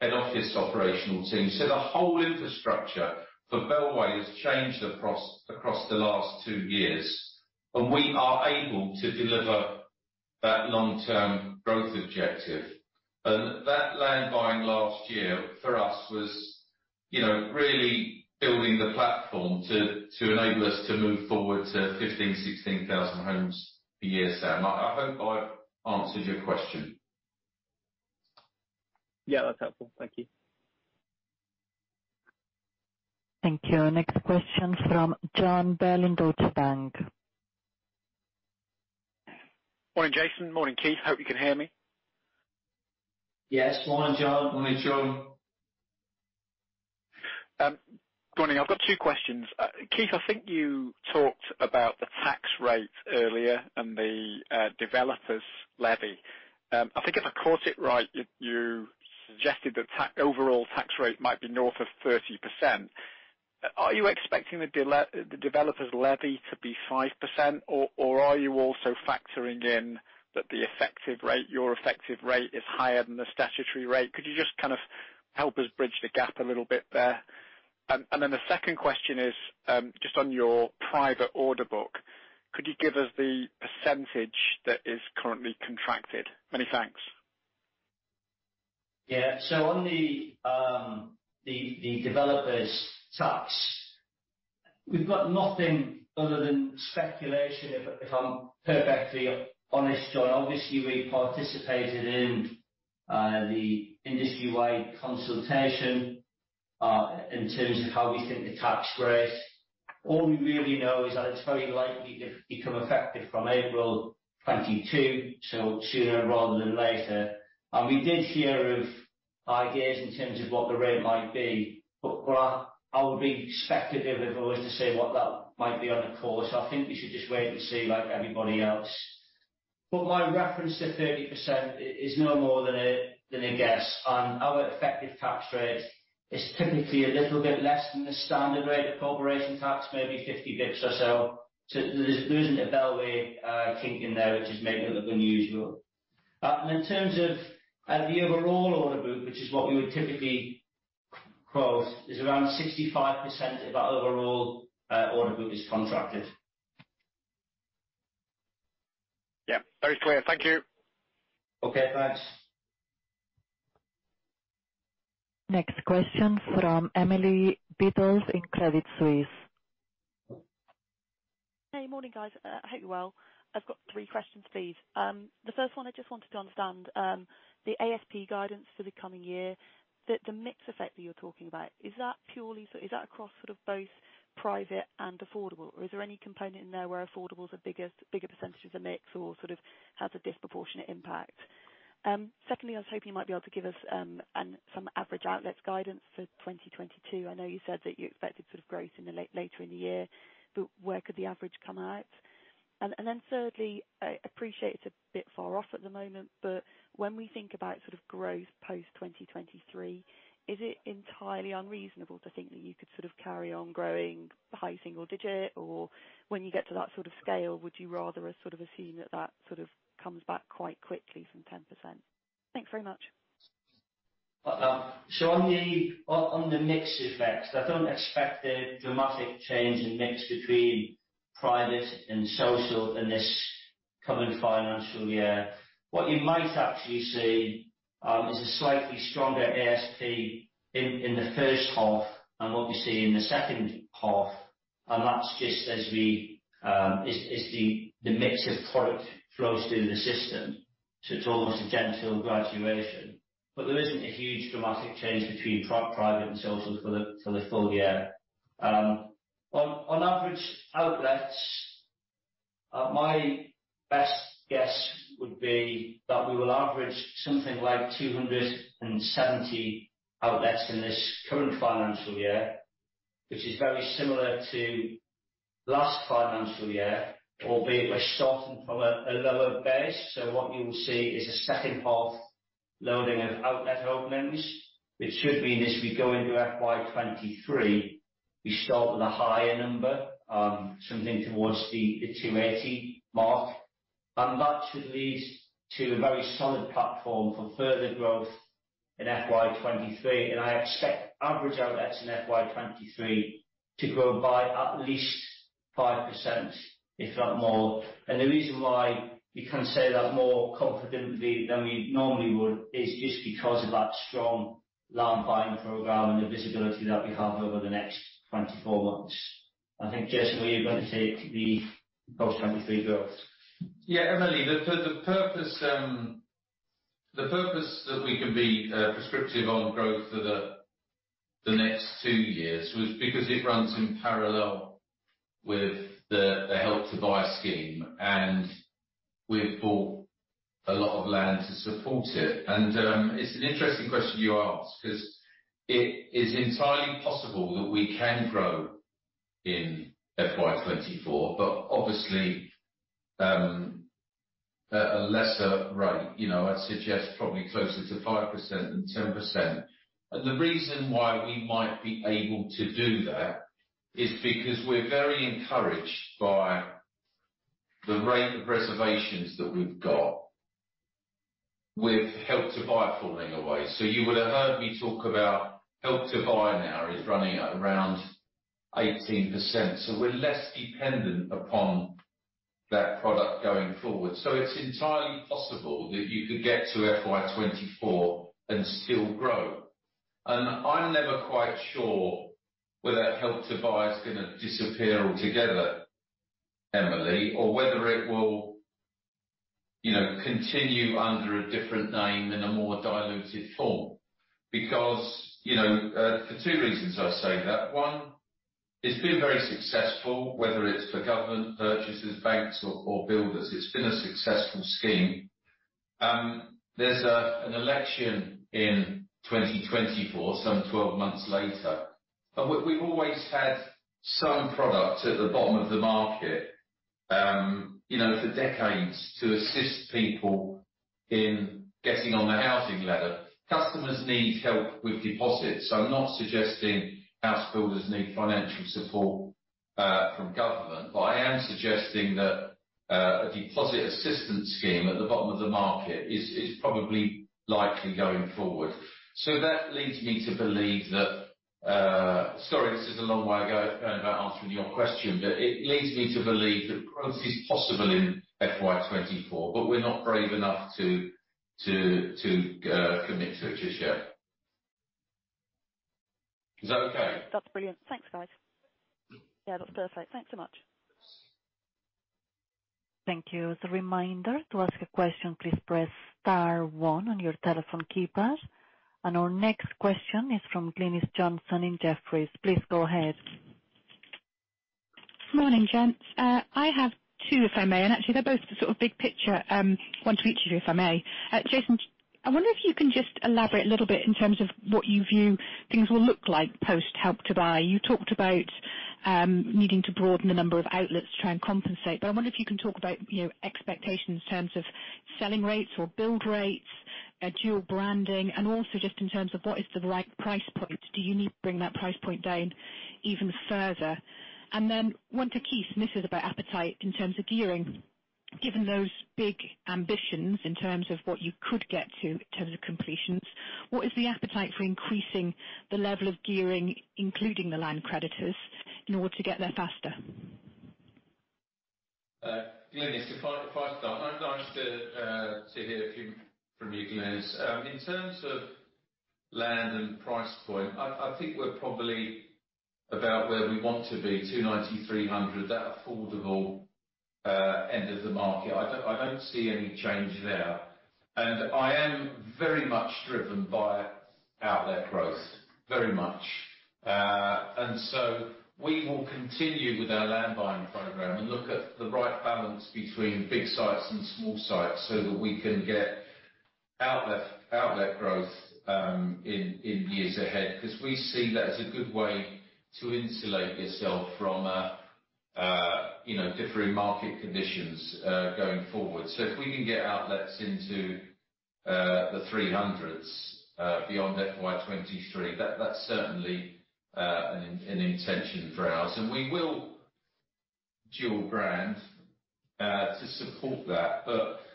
head office operational team. The whole infrastructure for Bellway has changed across the last two years, and we are able to deliver that long-term growth objective. That land buying last year for us was really building the platform to enable us to move forward to 15,000-16,000 homes a year, Sam. I hope I've answered your question. Yeah, that's helpful. Thank you. Thank you. Next question from Jon Bell, Deutsche Bank. Morning, Jason. Morning, Keith. Hope you can hear me. Yes. Morning, Jon. Morning, Jon. Good morning. I've got two questions. Keith, I think you talked about the tax rate earlier and the developers' levy. I think if I caught it right, you suggested the overall tax rate might be north of 30%. Are you expecting the developers levy to be 5% or are you also factoring in that your effective rate is higher than the statutory rate? Could you just help us bridge the gap a little bit there? Then the second question is, just on your private order book, could you give us the percentage that is currently contracted? Many thanks. On the Developers Tax, we've got nothing other than speculation, if I'm perfectly honest, Jon. We participated in the industry-wide consultation, in terms of how we think the tax raised. All we really know is that it's very likely to become effective from April 2022, sooner rather than later. We did hear of ideas in terms of what the rate might be, I would be speculative if I was to say what that might be on a call. I think we should just wait and see like everybody else. My reference to 30% is no more than a guess. Our effective tax rate is typically a little bit less than the standard rate of corporation tax, maybe 50 basis points or so. There isn't a Bellway kink in there which is making it look unusual. In terms of the overall order book, which is what we would typically quote, is around 65% of our overall order book is contracted. Yeah. Very clear. Thank you. Okay. Thanks. Next question from [Emily Peters] in Credit Suisse. Hey, morning, guys. I hope you're well. I've got three questions for you. The first one I just wanted to understand, the ASP guidance for the coming year, the mix effect that you're talking about, is that across both private and affordable, or is there any component in there where affordable is a bigger percentage of the mix or has a disproportionate impact? Secondly, I was hoping you might be able to give us some average outlets guidance for 2022. I know you said that you expected growth later in the year, where could the average come out? Thirdly, I appreciate it's a bit far off at the moment, when we think about growth post 2023, is it entirely unreasonable to think that you could carry on growing high single digit? When you get to that sort of scale, would you rather us assume that sort of comes back quite quickly from 10%? Thanks very much. On the mix effects, I don't expect a dramatic change in mix between private and social in this coming financial year. What you might actually see, is a slightly stronger ASP in the first half than what we see in the second half, and that's just as the mix of product flows through the system. It's almost a gentle graduation. There isn't a huge dramatic change between private and social for the full year. On average outlets, my best guess would be that we will average something like 270 outlets in this current financial year, which is very similar to last financial year, albeit we're starting from a lower base. What you will see is a second half loading of outlet openings, which should mean as we go into FY 2023, we start with a higher number, something towards the 280 mark. That should lead to a very solid platform for further growth in FY 2023. I expect average outlets in FY 2023 to grow by at least 5%, if not more. The reason why we can say that more confidently than we normally would is just because of that strong land buying program and the visibility that we have over the next 24 months. I think, Jason, were you going to say the post 2023 growth? Emily, the purpose that we can be prescriptive on growth for the next two years was because it runs in parallel with the Help to Buy scheme. We've bought a lot of land to support it. It's an interesting question you ask, because it is entirely possible that we can grow in FY 2024, but obviously, at a lesser rate. I'd suggest probably closer to 5% than 10%. The reason why we might be able to do that is because we're very encouraged by the rate of reservations that we've got with Help to Buy falling away. You will have heard me talk about Help to Buy now is running at around 18%. We're less dependent upon that product going forward. It's entirely possible that you could get to FY 2024 and still grow. I'm never quite sure whether Help to Buy is going to disappear altogether, Emily, or whether it will continue under a different name in a more diluted form. For two reasons I say that. One, it's been very successful, whether it's for government purchases, banks, or builders. It's been a successful scheme. There's an election in 2024, some 12 months later. We've always had some product at the bottom of the market, for decades, to assist people in getting on the housing ladder. Customers need help with deposits. I'm not suggesting house builders need financial support from government, but I am suggesting that a deposit assistance scheme at the bottom of the market is probably likely going forward. That leads me to believe that Sorry, this is a long way going about answering your question. It leads me to believe that growth is possible in FY 2024, but we're not brave enough to commit to it just yet. Is that okay? That's brilliant. Thanks, guys. Yeah, that's perfect. Thanks so much. Thank you. As a reminder, to ask a question, please press star one on your telephone keypad. Our next question is from Glynis Johnson in Jefferies. Please go ahead. Morning, gents. I have two, if I may, and actually they're both sort of big picture, one to each of you, if I may. Jason, I wonder if you can just elaborate a little bit in terms of what you view things will look like post Help to Buy. I wonder if you can talk about expectations in terms of selling rates or build rates, dual branding, and also just in terms of what is the right price point. Do you need to bring that price point down even further? Then one to Keith, and this is about appetite in terms of gearing. Given those big ambitions in terms of what you could get to in terms of completions, what is the appetite for increasing the level of gearing, including the land creditors, in order to get there faster? Glynis, if I start. I'd like to hear from you, Glynis. In terms of land and price point, I think we're probably about where we want to be, 290,000, 300,000, that affordable end of the market. I don't see any change there. I am very much driven by outlet growth. Very much. We will continue with our land buying program and look at the right balance between big sites and small sites so that we can get outlet growth in years ahead, because we see that as a good way to insulate yourself from differing market conditions going forward. If we can get outlets into the 300s beyond FY 2023, that's certainly an intention for us. We will dual brand to support that.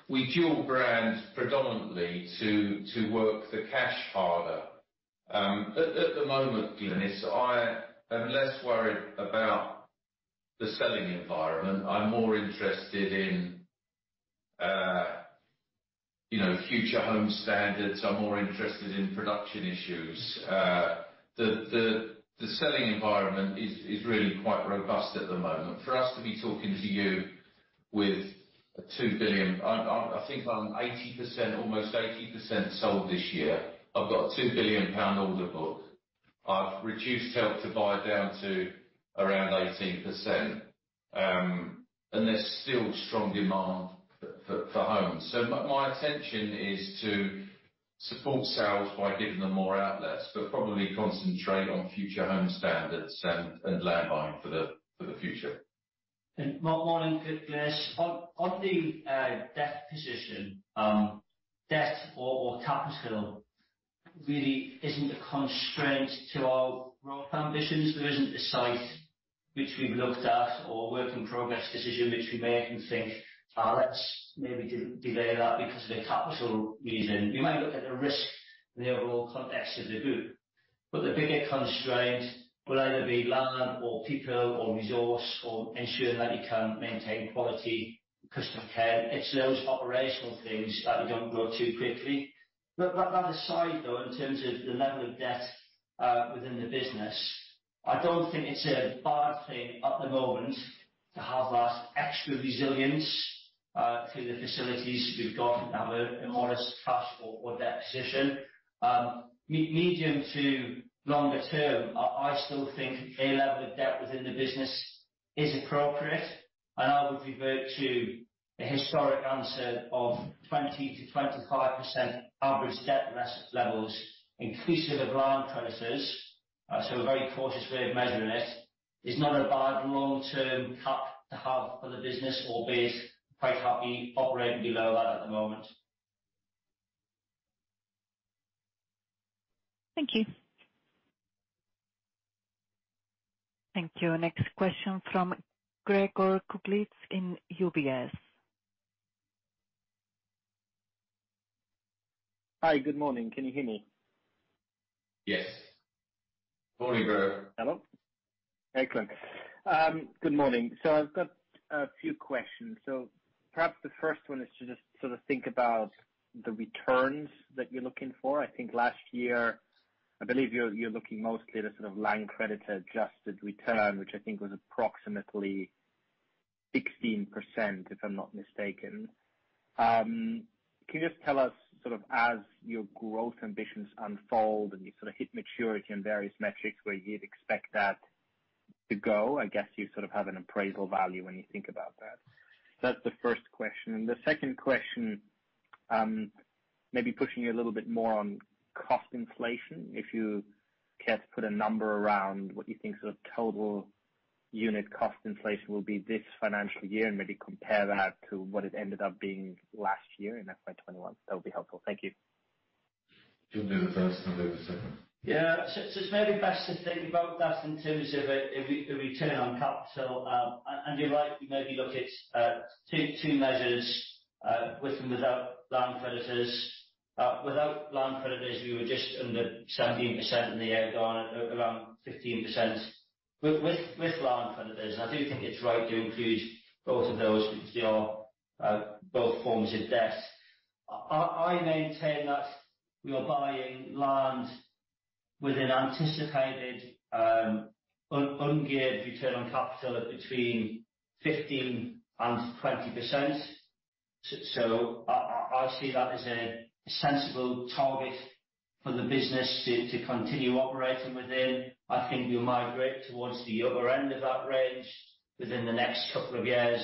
We dual brand predominantly to work the cash harder. At the moment, Glynis, I am less worried about the selling environment. I'm more interested in Future Homes Standard. I'm more interested in production issues. The selling environment is really quite robust at the moment. For us to be talking to you with a 2 billion, I think I'm 80%, almost 80% sold this year. I've got a 2 billion pound order book. I've reduced Help to Buy down to around 18%, and there's still strong demand for homes. My attention is to support sales by giving them more outlets, but probably concentrate on Future Homes Standard and land buying for the future. Morning, Glynis. On the debt position, debt or capital really isn't a constraint to our growth ambitions. There isn't a site which we've looked at or work in progress decision which we make and think, "Let's maybe delay that because of a capital reason." We might look at the risk in the overall context of the group. The bigger constraint will either be land or people or resource or ensuring that you can maintain quality customer care. It's those operational things that we don't grow too quickly. That aside, though, in terms of the level of debt within the business, I don't think it's a bad thing at the moment to have that extra resilience through the facilities we've got and have a modest cash or debt position. Medium to longer term, I still think a level of debt within the business is appropriate, and I would revert to a historic answer of 20%-25% average debt levels inclusive of land creditors. A very cautious way of measuring it. It's not a bad long-term cap to have for the business or base. Quite happy operating below that at the moment. Thank you. Thank you. Next question from Gregor Kuglitsch in UBS. Hi, good morning. Can you hear me? Yes. Morning, Gregor. Hello. Excellent. Good morning. I've got a few questions. Perhaps the first one is to just sort of think about the returns that you're looking for. I think last year, I believe you're looking mostly at a sort of land creditor adjusted return, which I think was approximately 16%, if I'm not mistaken. Can you just tell us, sort of as your growth ambitions unfold and you sort of hit maturity in various metrics, where you'd expect that to go? I guess you sort of have an appraisal value when you think about that. That's the first question. The second question, maybe pushing you a little bit more on cost inflation, if you care to put a number around what you think sort of total unit cost inflation will be this financial year, and maybe compare that to what it ended up being last year in FY 2021. That would be helpful. Thank you. You do the first, I'll do the second. Yeah. It's maybe best to think about that in terms of a return on capital. You're right, we maybe look at two measures, with and without land creditors. Without land creditors, we were just under 17% in the year gone and around 15% with land creditors. I do think it's right to include both of those because they are both forms of debts. I maintain that we are buying land with an anticipated ungeared return on capital at between 15% and 20%. I see that as a sensible target for the business to continue operating within. I think we'll migrate towards the upper end of that range within the next couple of years.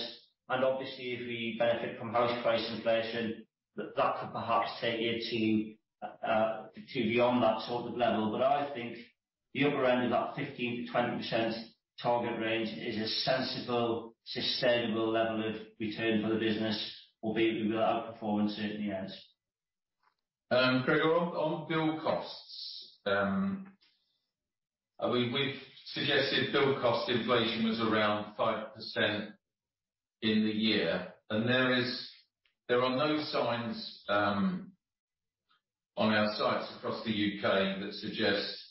Obviously, if we benefit from house price inflation, that could perhaps take it to beyond that sort of level. I think the upper end of that 15%-20% target range is a sensible, sustainable level of return for the business, albeit we will outperform in certain years. Gregor, on build costs. We've suggested build cost inflation was around 5% in the year. There are no signs on our sites across the U.K. that suggest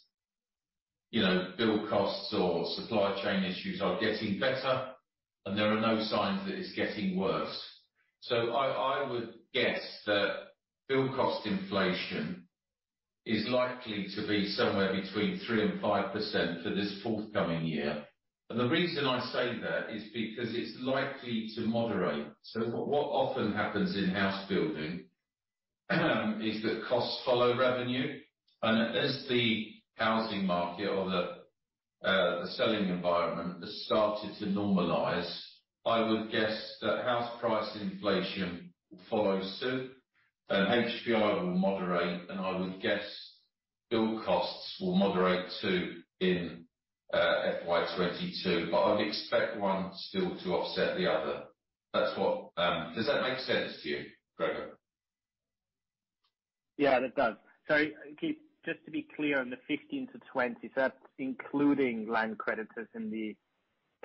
build costs or supply chain issues are getting better, and there are no signs that it's getting worse. I would guess that build cost inflation is likely to be somewhere between 3%-5% for this forthcoming year. The reason I say that is because it's likely to moderate. What often happens in house building is that costs follow revenue. As the housing market or the selling environment has started to normalize, I would guess that house price inflation will follow soon and HPI will moderate, and I would guess build costs will moderate, too, in FY 2022. I would expect one still to offset the other. Does that make sense to you, Gregor? Yeah, it does. Keith, just to be clear on the 15%-20%, is that including land creditors in the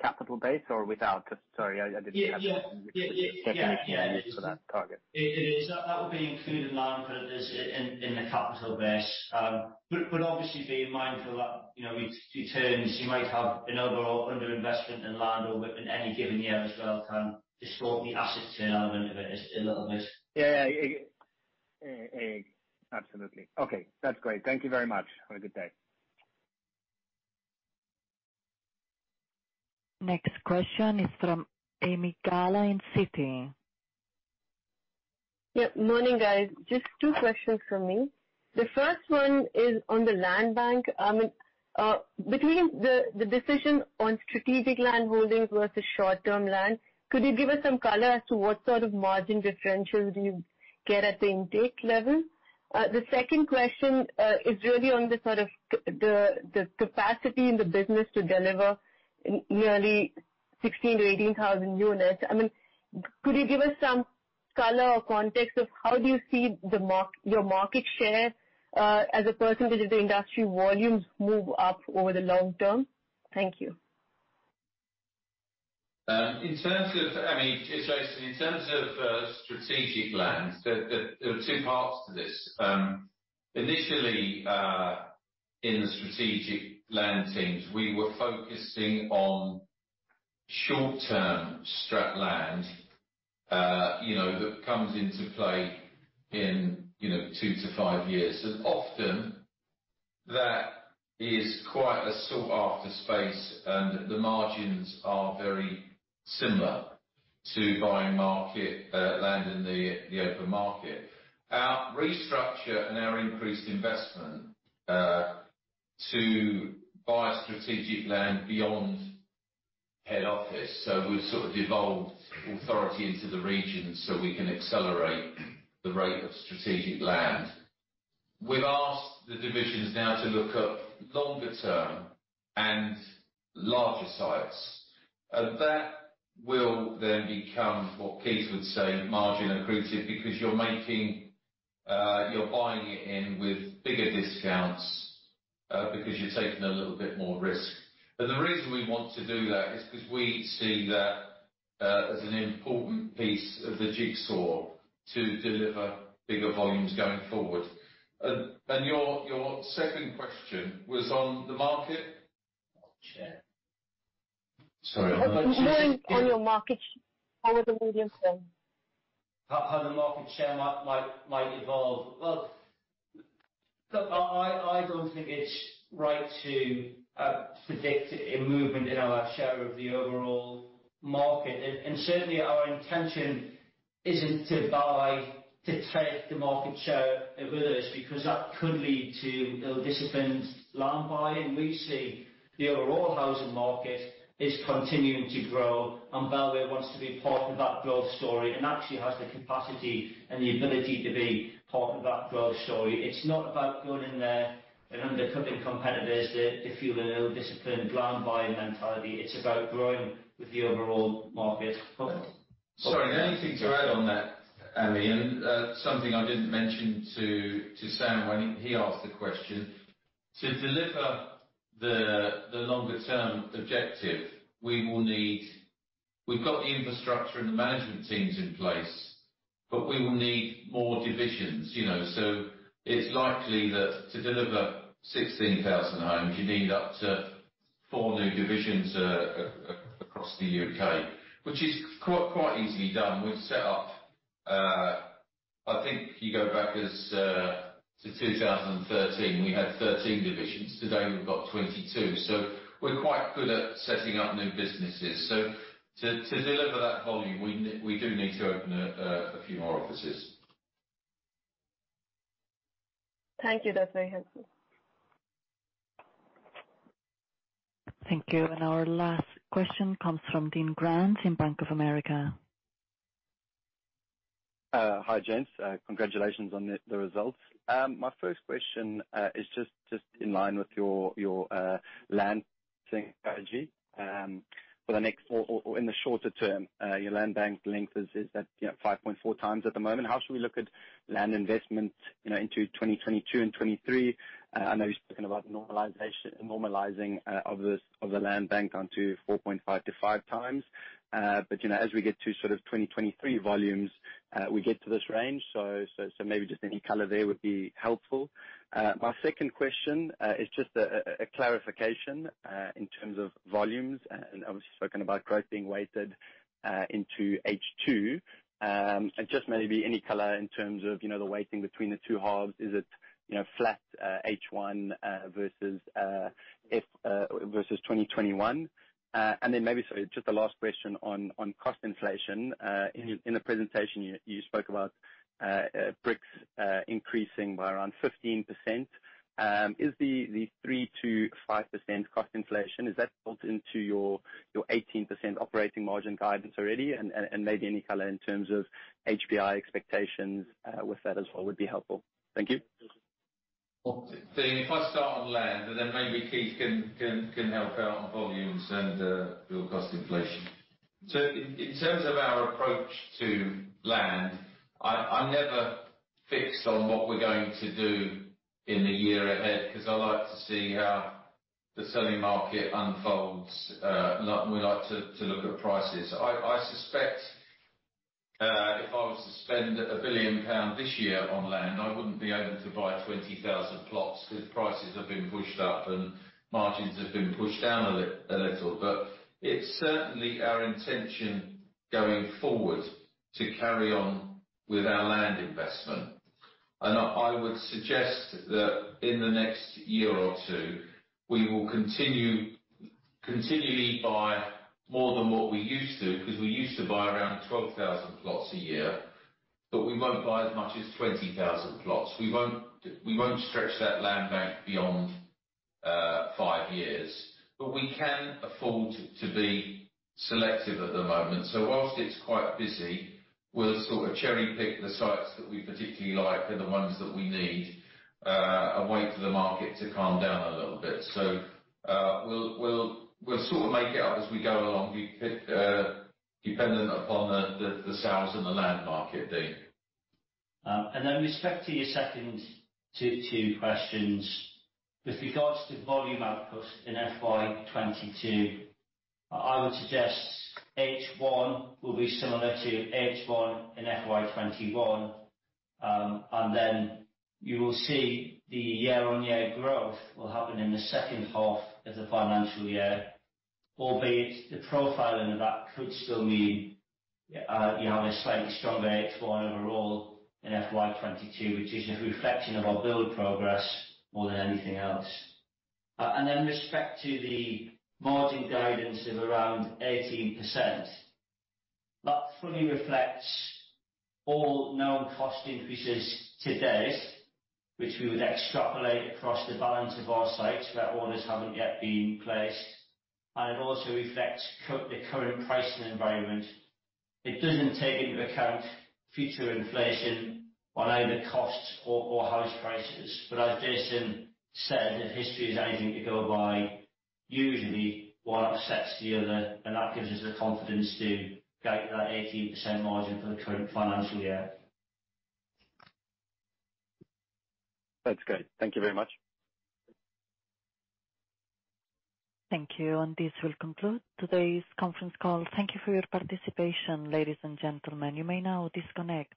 capital base or without? Sorry, I didn't catch. Yeah. The definition you used for that target. It is. That would be including land creditors in the capital base. Obviously being mindful that returns, you might have an overall under investment in land or in any given year as well can distort the asset return element of it a little bit. Yeah. Absolutely. Okay, that's great. Thank you very much. Have a good day. Next question is from Ami Galla in Citi. Yep. Morning, guys. Just two questions from me. The first one is on the land bank. Between the decision on strategic land holdings versus short-term land, could you give us some color as to what sort of margin differentials you get at the intake level? The second question is really on the sort of the capacity in the business to deliver yearly 16,000-18,000 units. Could you give us some color or context of how do you see your market share, as a percentage of the industry volumes move up over the long term? Thank you. In terms of strategic lands, there are two parts to this. Initially, in the strategic land teams, we were focusing on short-term strat land that comes into play in two to five years. Often that is quite a sought-after space, and the margins are very similar to buying land in the open market. Our restructure and our increased investment to buy strategic land beyond head office, so we've sort of devolved authority into the regions so we can accelerate the rate of strategic land. We've asked the divisions now to look at longer term and larger sites. That will then become what Keith would say, margin accretive, because you're buying it in with bigger discounts because you're taking a little bit more risk. The reason we want to do that is because we see that as an important piece of the jigsaw to deliver bigger volumes going forward. Your second question was on the market? Share. Sorry. On your market share. How would the media say? How the market share might evolve. Well, I don't think it's right to predict a movement in our share of the overall market. Certainly, our intention isn't to buy, to take the market share of others, because that could lead to ill-disciplined land buying. We see the overall housing market is continuing to grow, and Bellway wants to be part of that growth story, and actually has the capacity and the ability to be part of that growth story. It's not about going in there and undercutting competitors to fuel an ill-disciplined land buying mentality. It's about growing with the overall market. Sorry. The only thing to add on that, Ami, and something I didn't mention to Sam Cullen when he asked the question. To deliver the longer-term objective, we've got the infrastructure and the management teams in place, but we will need more divisions. It's likely that to deliver 16,000 homes, you need up to 4 new divisions across the U.K., which is quite easily done. We've set up, I think you go back to 2013, we had 13 divisions. Today we've got 22. We're quite good at setting up new businesses. To deliver that volume, we do need to open a few more offices. Thank you. That's very helpful. Thank you. Our last question comes from Dean Grant in Bank of America. Hi, gents. Congratulations on the results. My first question is just in line with your land strategy. For the next, or in the shorter term, your landbank length is at 5.4 times at the moment. How should we look at land investment into 2022 and 2023? I know you've spoken about normalizing of the landbank onto 4.5 to 5 times. As we get to sort of 2023 volumes, we get to this range. Maybe just any color there would be helpful. My second question is just a clarification in terms of volumes, and obviously you've spoken about growth being weighted into H2. Just maybe any color in terms of the weighting between the two halves. Is it flat H1 versus 2021? Maybe, sorry, just a last question on cost inflation. In the presentation you spoke about bricks increasing by around 15%. Is the 3%-5% cost inflation, is that built into your 18% operating margin guidance already? Maybe any color in terms of HPI expectations with that as well would be helpful. Thank you. Dean, if I start on land, then maybe Keith can help out on volumes and build cost inflation. In terms of our approach to land, I never fix on what we're going to do in the year ahead, because I like to see how the selling market unfolds. We like to look at prices. I suspect if I was to spend 1 billion pounds this year on land, I wouldn't be able to buy 20,000 plots because prices have been pushed up and margins have been pushed down a little. It's certainly our intention going forward to carry on with our land investment. I would suggest that in the next year or two, we will continually buy more than what we used to because we used to buy around 12,000 plots a year, but we won't buy as much as 20,000 plots. We won't stretch that landbank beyond five years. We can afford to be selective at the moment. Whilst it's quite busy, we'll sort of cherry pick the sites that we particularly like and the ones that we need, and wait for the market to calm down a little bit. We'll sort of make it up as we go along, dependent upon the sales and the land market, Dean. With respect to your second two questions. With regards to volume output in FY 2022, I would suggest H1 will be similar to H1 in FY 2021. You will see the year-on-year growth will happen in the second half of the financial year, albeit the profiling of that could still mean you have a slightly stronger H1 overall in FY 2022, which is a reflection of our build progress more than anything else. With respect to the margin guidance of around 18%, that fully reflects all known cost increases to date, which we would extrapolate across the balance of our sites where orders haven't yet been placed. It also reflects the current pricing environment. It doesn't take into account future inflation on either costs or house prices. As Jason said, if history is anything to go by, usually one offsets the other, and that gives us the confidence to guide that 18% margin for the current financial year. That's great. Thank you very much. Thank you. This will conclude today's conference call. Thank you for your participation, ladies and gentlemen. You may now disconnect.